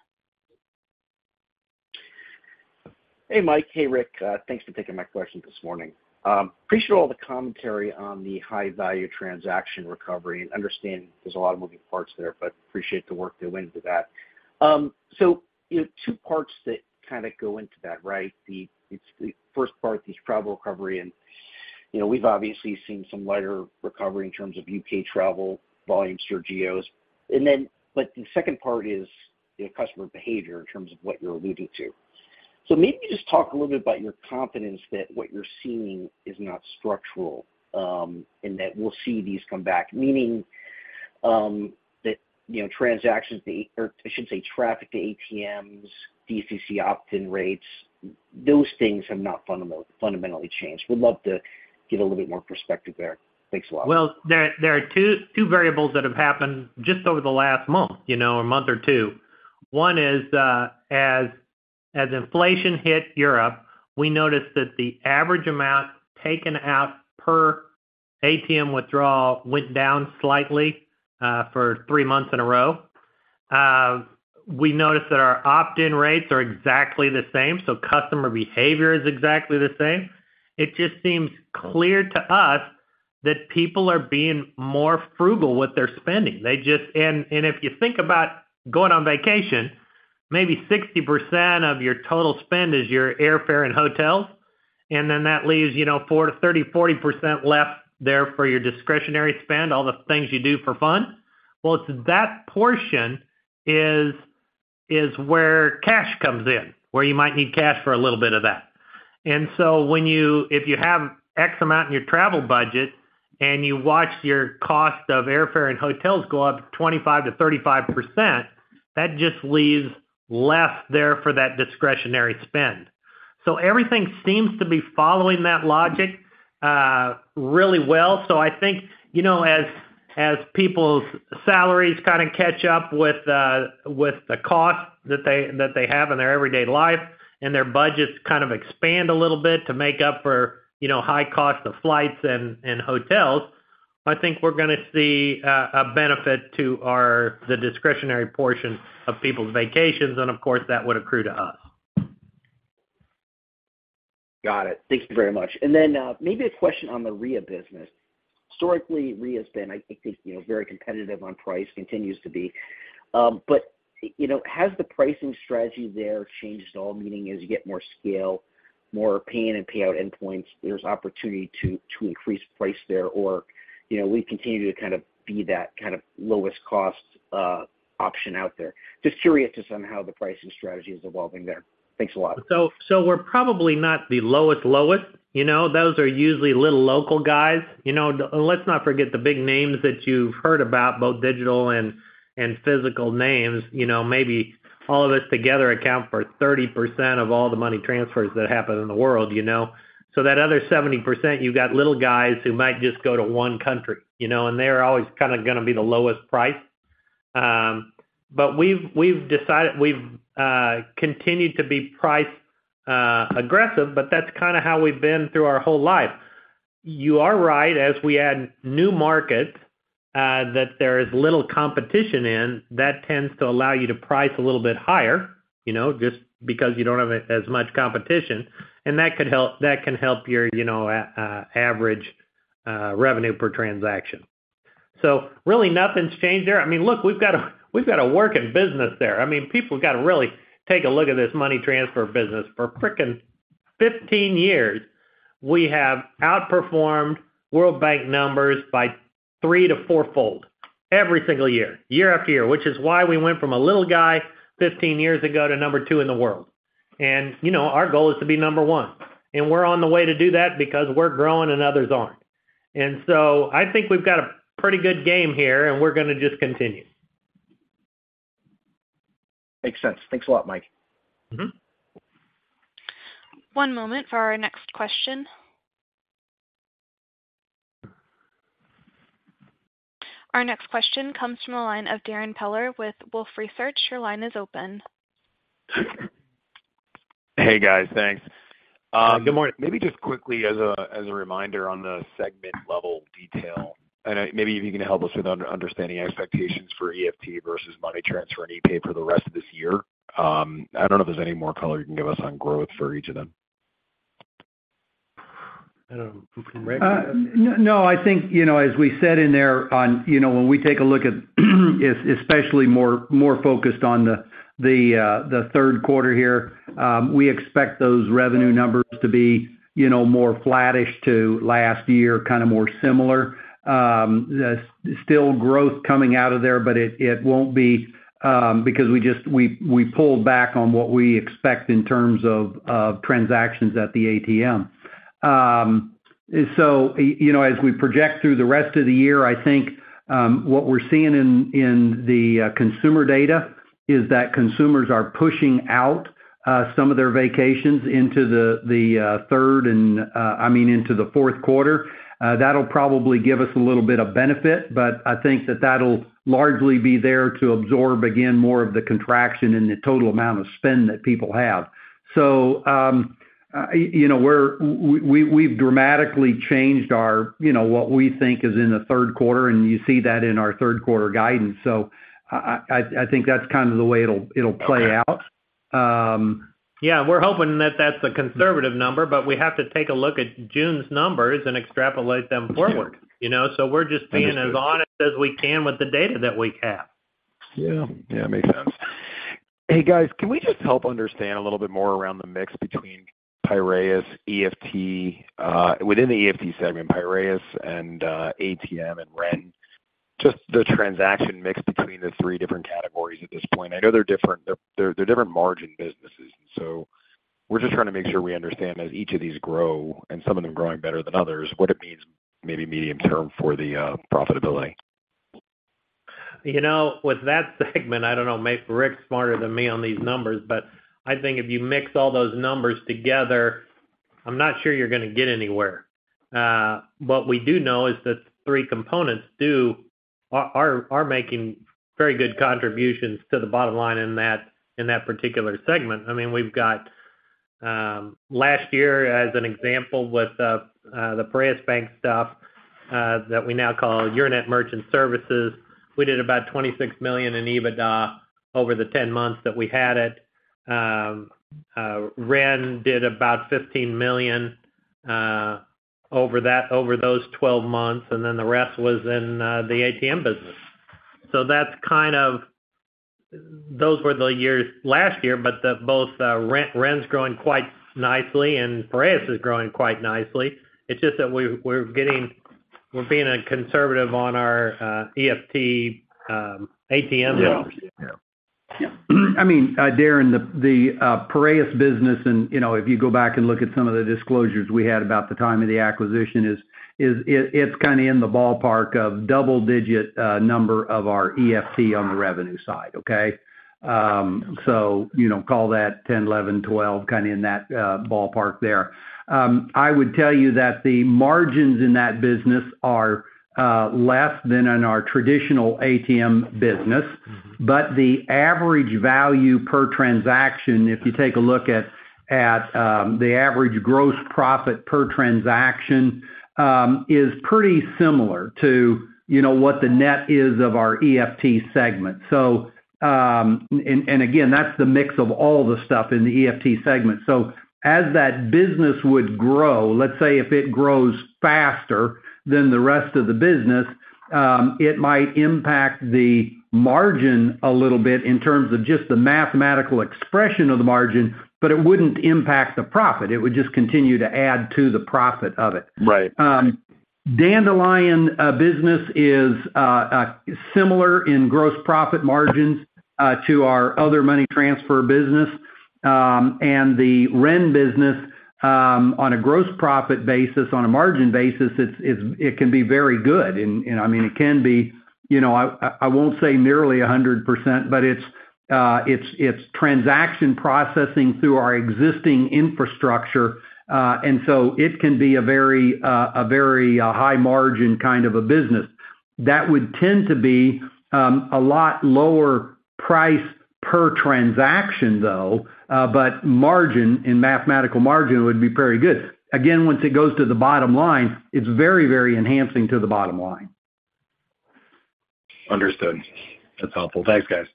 Hey, Mike. Hey, Rick. Thanks for taking my question this morning. Appreciate all the commentary on the high-value transaction recovery and understand there's a lot of moving parts there, but appreciate the work that went into that. You know, two parts that kind of go into that, right? It's the first part, the travel recovery, and, you know, we've obviously seen some lighter recovery in terms of U.K. travel volumes for geos. The second part is, you know, customer behavior in terms of what you're alluding to. Maybe just talk a little bit about your confidence that what you're seeing is not structural, and that we'll see these come back, meaning that, you know, transactions, or I should say, traffic to ATMs, DCC opt-in rates, those things have not fundamentally changed. Would love to get a little bit more perspective there. Thanks a lot. Well, there are two variables that have happened just over the last month, you know, a month or two. One is, as inflation hit Europe, we noticed that the average amount taken out per ATM withdrawal went down slightly for three months in a row. We noticed that our opt-in rates are exactly the same, so customer behavior is exactly the same. It just seems clear to us that people are being more frugal with their spending. If you think about going on vacation, maybe 60% of your total spend is your airfare and hotels, then that leaves, you know, 4 to 30, 40% left there for your discretionary spend, all the things you do for fun. Well, it's that portion is where cash comes in, where you might need cash for a little bit of that. When you if you have X amount in your travel budget and you watch your cost of airfare and hotels go up 25%-35%, that just leaves less there for that discretionary spend. Everything seems to be following that logic really well. I think, you know, as people's salaries kinda catch up with the cost that they have in their everyday life, and their budgets kind of expand a little bit to make up for, you know, high costs of flights and hotels, I think we're gonna see a benefit to our the discretionary portion of people's vacations, and of course, that would accrue to us. Got it. Thank you very much. Then, maybe a question on the Ria business. Historically, Ria has been, I think, you know, very competitive on price, continues to be. You know, has the pricing strategy there changed at all? Meaning, as you get more scale, more pay in and payout endpoints, there's opportunity to increase price there or, you know, we continue to kind of be that kind of lowest cost option out there. Just curious as on how the pricing strategy is evolving there. Thanks a lot. We're probably not the lowest, you know? Those are usually little local guys. You know, let's not forget the big names that you've heard about, both digital and physical names. You know, maybe all of us together account for 30% of all the money transfers that happen in the world, you know? That other 70%, you've got little guys who might just go to one country, you know, and they're always kind of gonna be the lowest price. We've continued to be price aggressive, that's kind of how we've been through our whole life. You are right, as we add new markets, that there is little competition in, that tends to allow you to price a little bit higher, you know, just because you don't have as much competition, that can help your average revenue per transaction. Really, nothing's changed there. I mean, look, we've got a working business there. I mean, people have got to really take a look at this money transfer business. For freaking 15 years, we have outperformed World Bank numbers by 3 to 4-fold every single year after year, which is why we went from a little guy 15 years ago to number two in the world. You know, our goal is to be number one, and we're on the way to do that because we're growing and others aren't. I think we've got a pretty good game here, and we're gonna just continue. Makes sense. Thanks a lot, Mike. Mm-hmm. One moment for our next question. Our next question comes from the line of Darrin Peller with Wolfe Research. Your line is open. Hey, guys, thanks. Good morning. Maybe just quickly as a reminder on the segment-level detail, maybe if you can help us with understanding expectations for EFT versus money transfer and epay for the rest of this year. I don't know if there's any more color you can give us on growth for each of them. I don't know. Rick? No, I think, you know, as we said in there on, you know, when we take a look at, especially more focused on the third quarter here, we expect those revenue numbers to be, you know, more flattish to last year, kinda more similar. There's still growth coming out of there, but it won't be, because we pulled back on what we expect in terms of transactions at the ATM. You know, as we project through the rest of the year, I think, what we're seeing in the consumer data is that consumers are pushing out some of their vacations into the third and, I mean, into the fourth quarter. That'll probably give us a little bit of benefit, but I think that that'll largely be there to absorb, again, more of the contraction in the total amount of spend that people have. You know, we've dramatically changed our, you know, what we think is in the third quarter, and you see that in our third quarter guidance. I think that's kind of the way it'll play out. Yeah, we're hoping that that's a conservative number, but we have to take a look at June's numbers and extrapolate them forward, you know? Understood... as honest as we can with the data that we have. Yeah. Yeah, makes sense. Hey, guys, can we just help understand a little bit more around the mix between Piraeus EFT, within the EFT segment, Piraeus and ATM and Ren, just the transaction mix between the three different categories at this point. I know they're different, they're different margin businesses, we're just trying to make sure we understand as each of these grow, and some of them growing better than others, what it means, maybe medium term for the profitability. You know, with that segment, I don't know, Rick's smarter than me on these numbers, but I think if you mix all those numbers together, I'm not sure you're gonna get anywhere. What we do know is that three components are making very good contributions to the bottom line in that particular segment. I mean, we've got, last year as an example, with the Piraeus Bank stuff, that we now call Euronet Merchant Services, we did about $26 million in EBITDA over the 10 months that we had it. Ren did about $15 million over those 12 months, the rest was in the ATM business. That's kind of, those were the years last year, the both Ren's growing quite nicely, and Piraeus is growing quite nicely. It's just that we're being a conservative on our EFT, ATM. Yeah. Yeah. I mean, Darren, the Piraeus business, and, you know, if you go back and look at some of the disclosures we had about the time of the acquisition, it's kind of in the ballpark of double-digit number of our EFT on the revenue side, okay. You know, call that 10, 11, 12, kind of in that ballpark there. I would tell you that the margins in that business are less than in our traditional ATM business, but the average value per transaction, if you take a look at the average gross profit per transaction, is pretty similar to, you know, what the net is of our EFT segment. And again, that's the mix of all the stuff in the EFT segment. As that business would grow, let's say if it grows faster than the rest of the business, it might impact the margin a little bit in terms of just the mathematical expression of the margin, but it wouldn't impact the profit. It would just continue to add to the profit of it. Right. Dandelion business is similar in gross profit margins to our other money transfer business. The Ren business, on a gross profit basis, on a margin basis, it's very good. I mean, it can be, you know, I won't say nearly 100%, but it's transaction processing through our existing infrastructure, it can be a very high margin kind of a business. That would tend to be a lot lower price per transaction, though, margin, in mathematical margin, would be very good. Again, once it goes to the bottom line, it's very enhancing to the bottom line. Understood. That's helpful. Thanks, guys.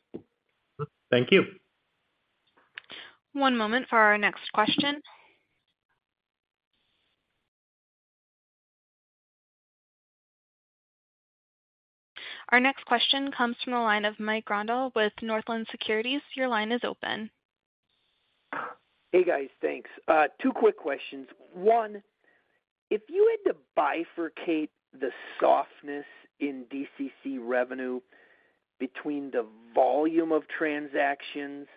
Thank you. One moment for our next question. Our next question comes from the line of Mike Grondahl with Northland Securities. Your line is open. Hey, guys, thanks. Two quick questions. One, if you had to bifurcate the softness in DCC revenue between the volume of transactions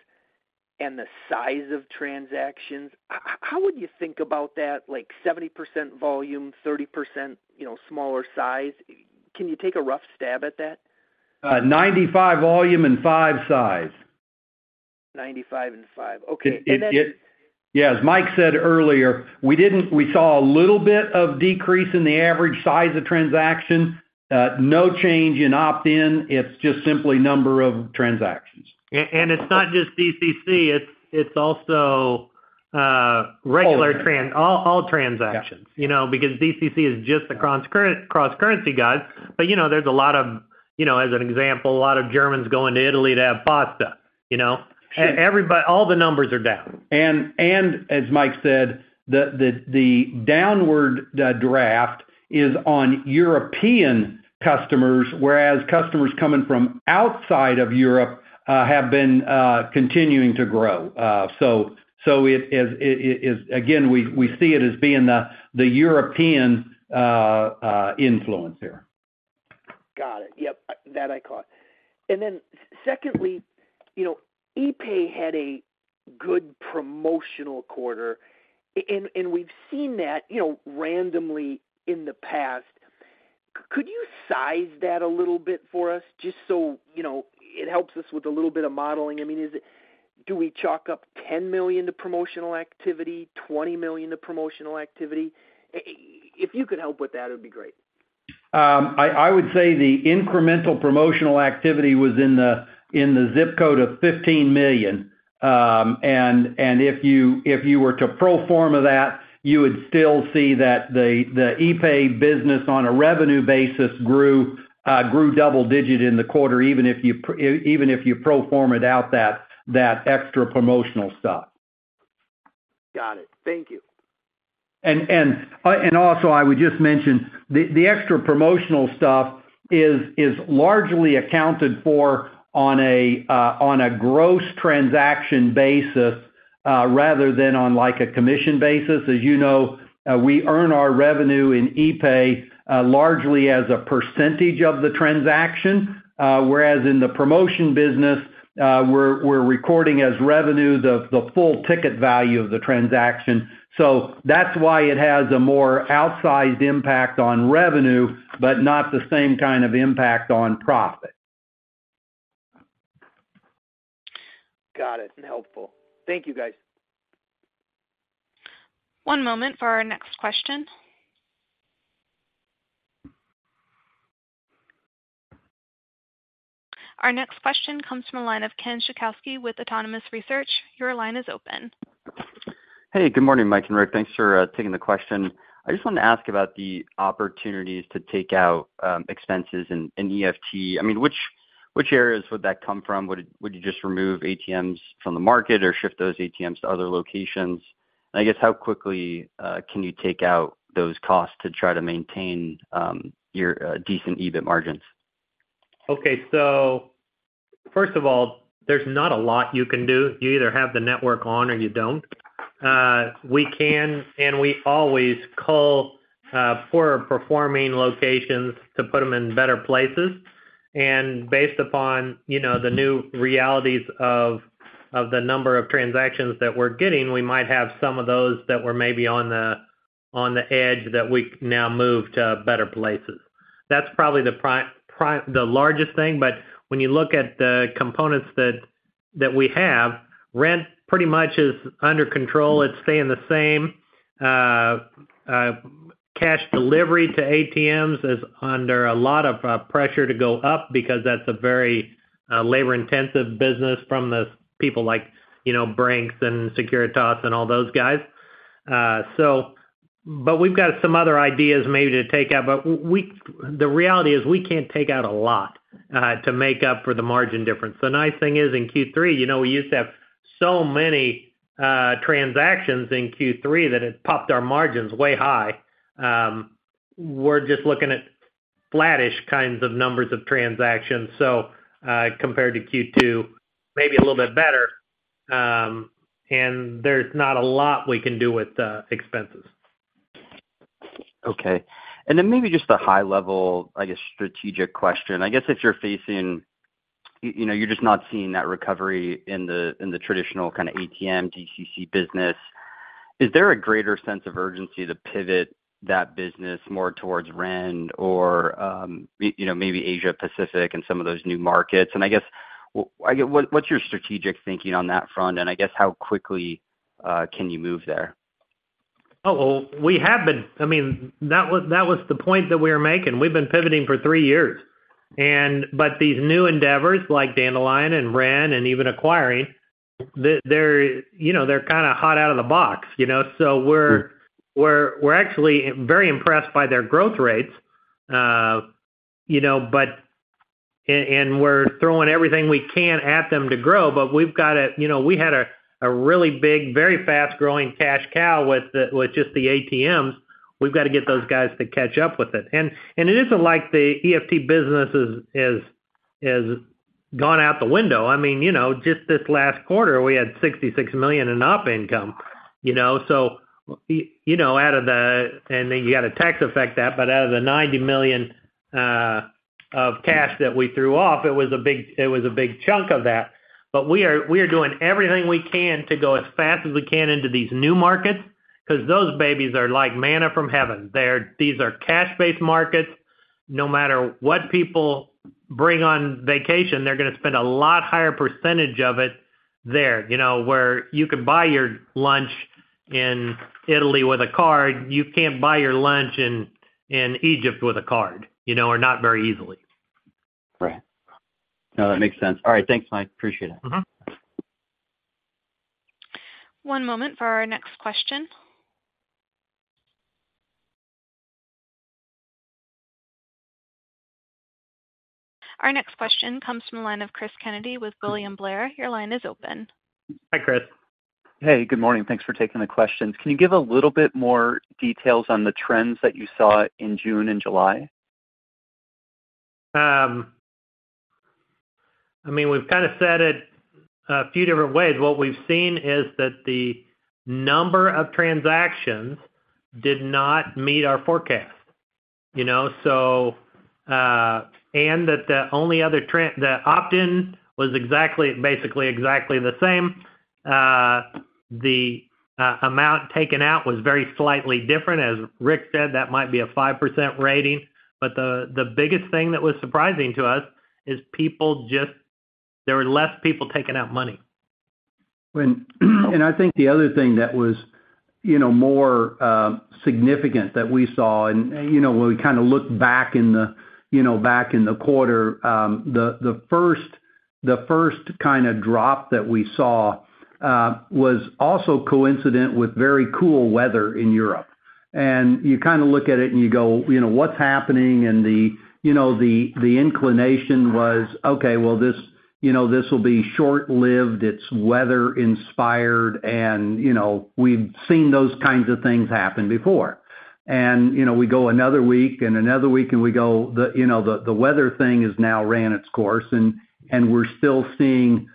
and the size of transactions, how would you think about that? Like 70% volume, 30%, you know, smaller size. Can you take a rough stab at that? 95 volume and 5 size. 95 and 5. Okay. Yeah, as Mike said earlier, we saw a little bit of decrease in the average size of transaction. No change in opt-in. It's just simply number of transactions. It's not just DCC, it's also, regular. All. All transactions. Yeah. You know, because DCC is just the cross currency guys. You know, there's a lot of, you know, as an example, a lot of Germans going to Italy to have pasta, you know? Sure. All the numbers are down. As Mike said, the downward draft is on European customers, whereas customers coming from outside of Europe have been continuing to grow. Again, we see it as being the European influence there. Got it. Yep, that I caught. Secondly, you know, epay had a good promotional quarter, and we've seen that, you know, randomly in the past. Could you size that a little bit for us, just so, you know, it helps us with a little bit of modeling? I mean, Do we chalk up $10 million to promotional activity, $20 million to promotional activity? If you could help with that, it would be great. I would say the incremental promotional activity was in the zip code of $15 million. If you were to pro forma that, you would still see that the epay business on a revenue basis grew double-digit in the quarter, even if you pro forma without that extra promotional stuff. Got it. Thank you. Also I would just mention, the extra promotional stuff is largely accounted for on a gross transaction basis, rather than on like a commission basis. As you know, we earn our revenue in epay, largely as a percentage of the transaction, whereas in the promotion business, we're recording as revenue, the full ticket value of the transaction. That's why it has a more outsized impact on revenue, but not the same kind of impact on profit. Got it. Helpful. Thank you, guys. One moment for our next question. Our next question comes from the line of Ken Suchoski with Autonomous Research. Your line is open. Hey, good morning, Mike and Rick. Thanks for taking the question. I just wanted to ask about the opportunities to take out expenses in EFT. I mean, which areas would that come from? Would you just remove ATMs from the market or shift those ATMs to other locations? I guess, how quickly can you take out those costs to try to maintain your decent EBIT margins? Okay. First of all, there's not a lot you can do. You either have the network on or you don't. We can, and we always call poorer-performing locations to put them in better places. Based upon, you know, the new realities of the number of transactions that we're getting, we might have some of those that were maybe on the edge that we now move to better places. That's probably the largest thing, but when you look at the components that we have, rent pretty much is under control. It's staying the same. Cash delivery to ATMs is under a lot of pressure to go up because that's a very labor-intensive business from the people like, you know, Brink's and Securitas and all those guys. We've got some other ideas maybe to take out, but the reality is, we can't take out a lot to make up for the margin difference. The nice thing is, in Q3, you know, we used to have so many transactions in Q3 that it popped our margins way high. We're just looking at flattish kinds of numbers of transactions, so compared to Q2, maybe a little bit better. There's not a lot we can do with expenses. Okay. Maybe just a high level, I guess, strategic question. I guess if you're, you know, you're just not seeing that recovery in the, in the traditional kind of ATM, DCC business, is there a greater sense of urgency to pivot that business more towards Ren or, you know, maybe Asia Pacific and some of those new markets? I guess, what's your strategic thinking on that front? I guess, how quickly, can you move there? Oh, well, I mean, that was the point that we were making. We've been pivoting for three years. But these new endeavors, like Dandelion and Ren and even acquiring, they're, you know, they're kind of hot out of the box, you know. We're actually very impressed by their growth rates, you know. We're throwing everything we can at them to grow, but we had a really big, very fast-growing cash cow with just the ATMs. We've got to get those guys to catch up with it. It isn't like the EFT business is gone out the window. I mean, you know, just this last quarter, we had $66 million in op income, you know. You know, out of the and then you got to tax effect that, but out of the $90 million of cash that we threw off, it was a big chunk of that. We are doing everything we can to go as fast as we can into these new markets, 'cause those babies are like manna from heaven. These are cash-based markets. No matter what people bring on vacation, they're gonna spend a lot higher % of it there. You know, where you could buy your lunch in Italy with a card, you can't buy your lunch in Egypt with a card, you know, or not very easily. Right. No, that makes sense. All right, thanks, Mike. Appreciate it One moment for our next question. Our next question comes from the line of Chris Kennedy with William Blair. Your line is open. Hi, Chris. Good morning. Thanks for taking the questions. Can you give a little bit more details on the trends that you saw in June and July? I mean, we've kind of said it a few different ways. What we've seen is that the number of transactions did not meet our forecast, you know. That the only other trend, the opt-in was basically exactly the same. The amount taken out was very slightly different. As Rick said, that might be a 5% rating. The biggest thing that was surprising to us is people, there were less people taking out money. I think the other thing that was, you know, more significant that we saw, and, you know, when we kind of looked back in the, you know, back in the quarter, the first kind of drop that we saw was also coincident with very cool weather in Europe. You kind of look at it and you go, you know, "What's happening?" The, you know, the inclination was: Okay, well, you know, this will be short-lived, it's weather-inspired, and, you know, we've seen those kinds of things happen before. You know, we go another week and another week, and we go, the, you know, the weather thing has now ran its course, and we're still seeing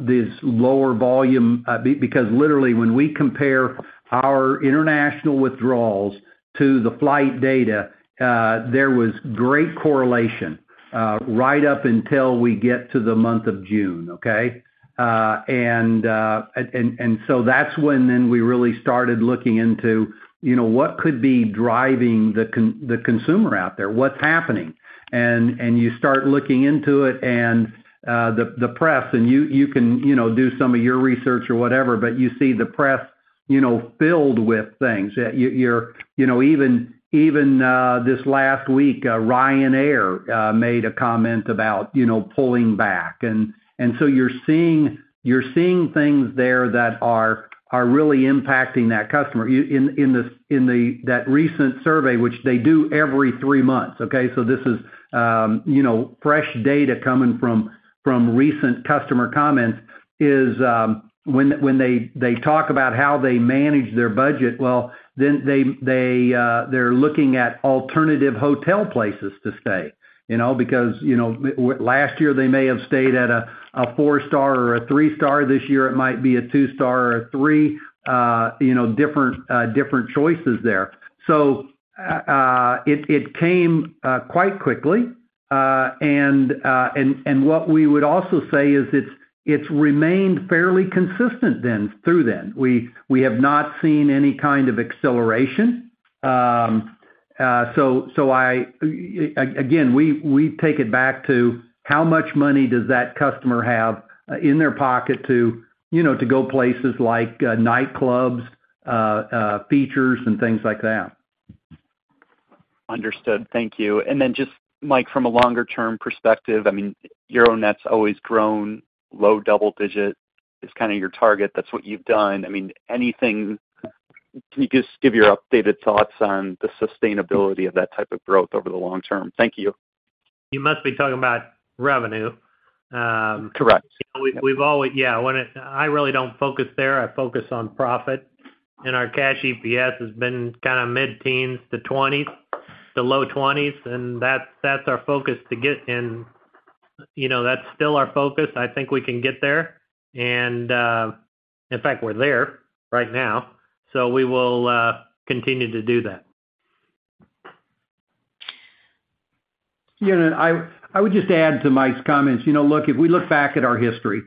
this lower volume because literally, when we compare our international withdrawals to the flight data, there was great correlation right up until we get to the month of June, okay? That's when then we really started looking into, you know, what could be driving the consumer out there? What's happening? You start looking into it, and the press, and you can, you know, do some of your research or whatever, but you see the press, you know, filled with things. You know, even this last week, Ryanair made a comment about, you know, pulling back. You're seeing things there that are really impacting that customer. You, in the, that recent survey, which they do every three months, okay? This is, you know, fresh data coming from recent customer comments, is, when they talk about how they manage their budget, well, then they're looking at alternative hotel places to stay, you know. Because, you know, last year, they may have stayed at a 4-star or a 3-star. This year, it might be a 2-star or a 3, you know, different choices there. It came quite quickly. What we would also say is it's remained fairly consistent then, through then. We have not seen any kind of acceleration. Again, we take it back to how much money does that customer have in their pocket to, you know, to go places like nightclubs, features, and things like that? Understood. Thank you. Then just, Mike, from a longer term perspective, I mean, Euronet's always grown, low double digit is kinda your target. That's what you've done. I mean, anything... Can you just give your updated thoughts on the sustainability of that type of growth over the long term? Thank you. You must be talking about revenue. Correct. We've always. I really don't focus there. I focus on profit, and our cash EPS has been kinda mid-teens% to twenties%, to low twenties%, and that's our focus to get. You know, that's still our focus. I think we can get there. In fact, we're there right now, so we will continue to do that. Yeah, I would just add to Mike's comments. You know, look, if we look back at our history,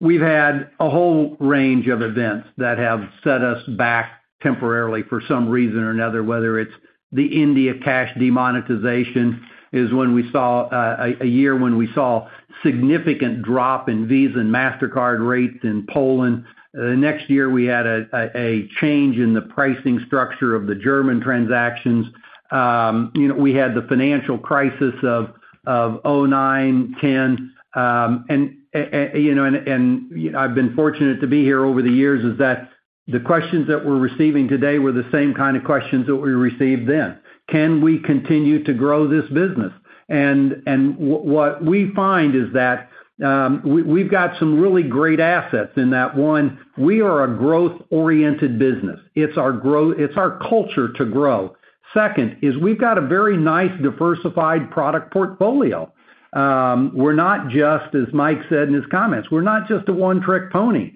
we've had a whole range of events that have set us back temporarily for some reason or another, whether it's the India cash demonetization is when we saw a year when we saw significant drop in Visa and Mastercard rates in Poland. Next year, we had a change in the pricing structure of the German transactions. You know, we had the financial crisis of 2009, 2010. You know, and I've been fortunate to be here over the years, is that the questions that we're receiving today were the same kind of questions that we received then: Can we continue to grow this business? What we find is that, we've got some really great assets in that, one, we are a growth-oriented business. It's our culture to grow. Second, is we've got a very nice, diversified product portfolio. We're not just, as Mike said in his comments, we're not just a one-trick pony.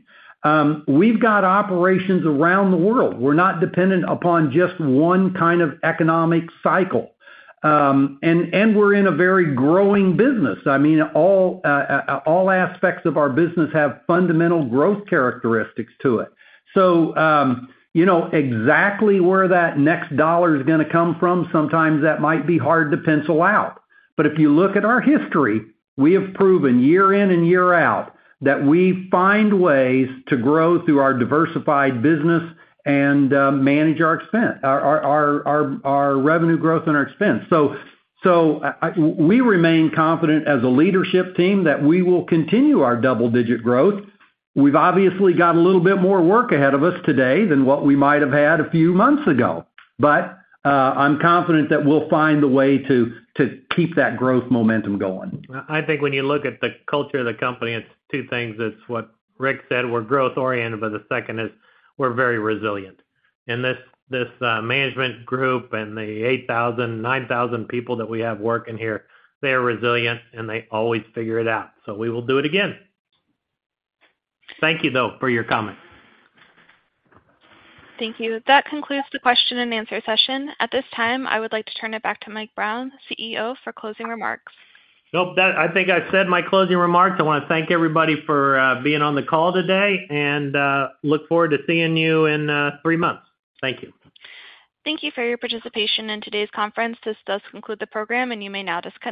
We've got operations around the world. We're not dependent upon just one kind of economic cycle. We're in a very growing business. I mean, all aspects of our business have fundamental growth characteristics to it. You know, exactly where that next dollar is gonna come from, sometimes that might be hard to pencil out. If you look at our history, we have proven year in and year out, that we find ways to grow through our diversified business and manage our expense, our revenue growth and our expense. I, we remain confident as a leadership team that we will continue our double-digit growth. We've obviously got a little bit more work ahead of us today than what we might have had a few months ago, but I'm confident that we'll find a way to keep that growth momentum going. I think when you look at the culture of the company, it's two things. It's what Rick said, we're growth-oriented, but the second is, we're very resilient. This management group and the 8,000, 9,000 people that we have working here, they're resilient, and they always figure it out. We will do it again. Thank you, though, for your comment. Thank you. That concludes the question and answer session. At this time, I would like to turn it back to Mike Brown, CEO, for closing remarks. Nope, I think I said my closing remarks. I wanna thank everybody for being on the call today, and look forward to seeing you in three months. Thank you. Thank you for your participation in today's conference. This does conclude the program, and you may now disconnect.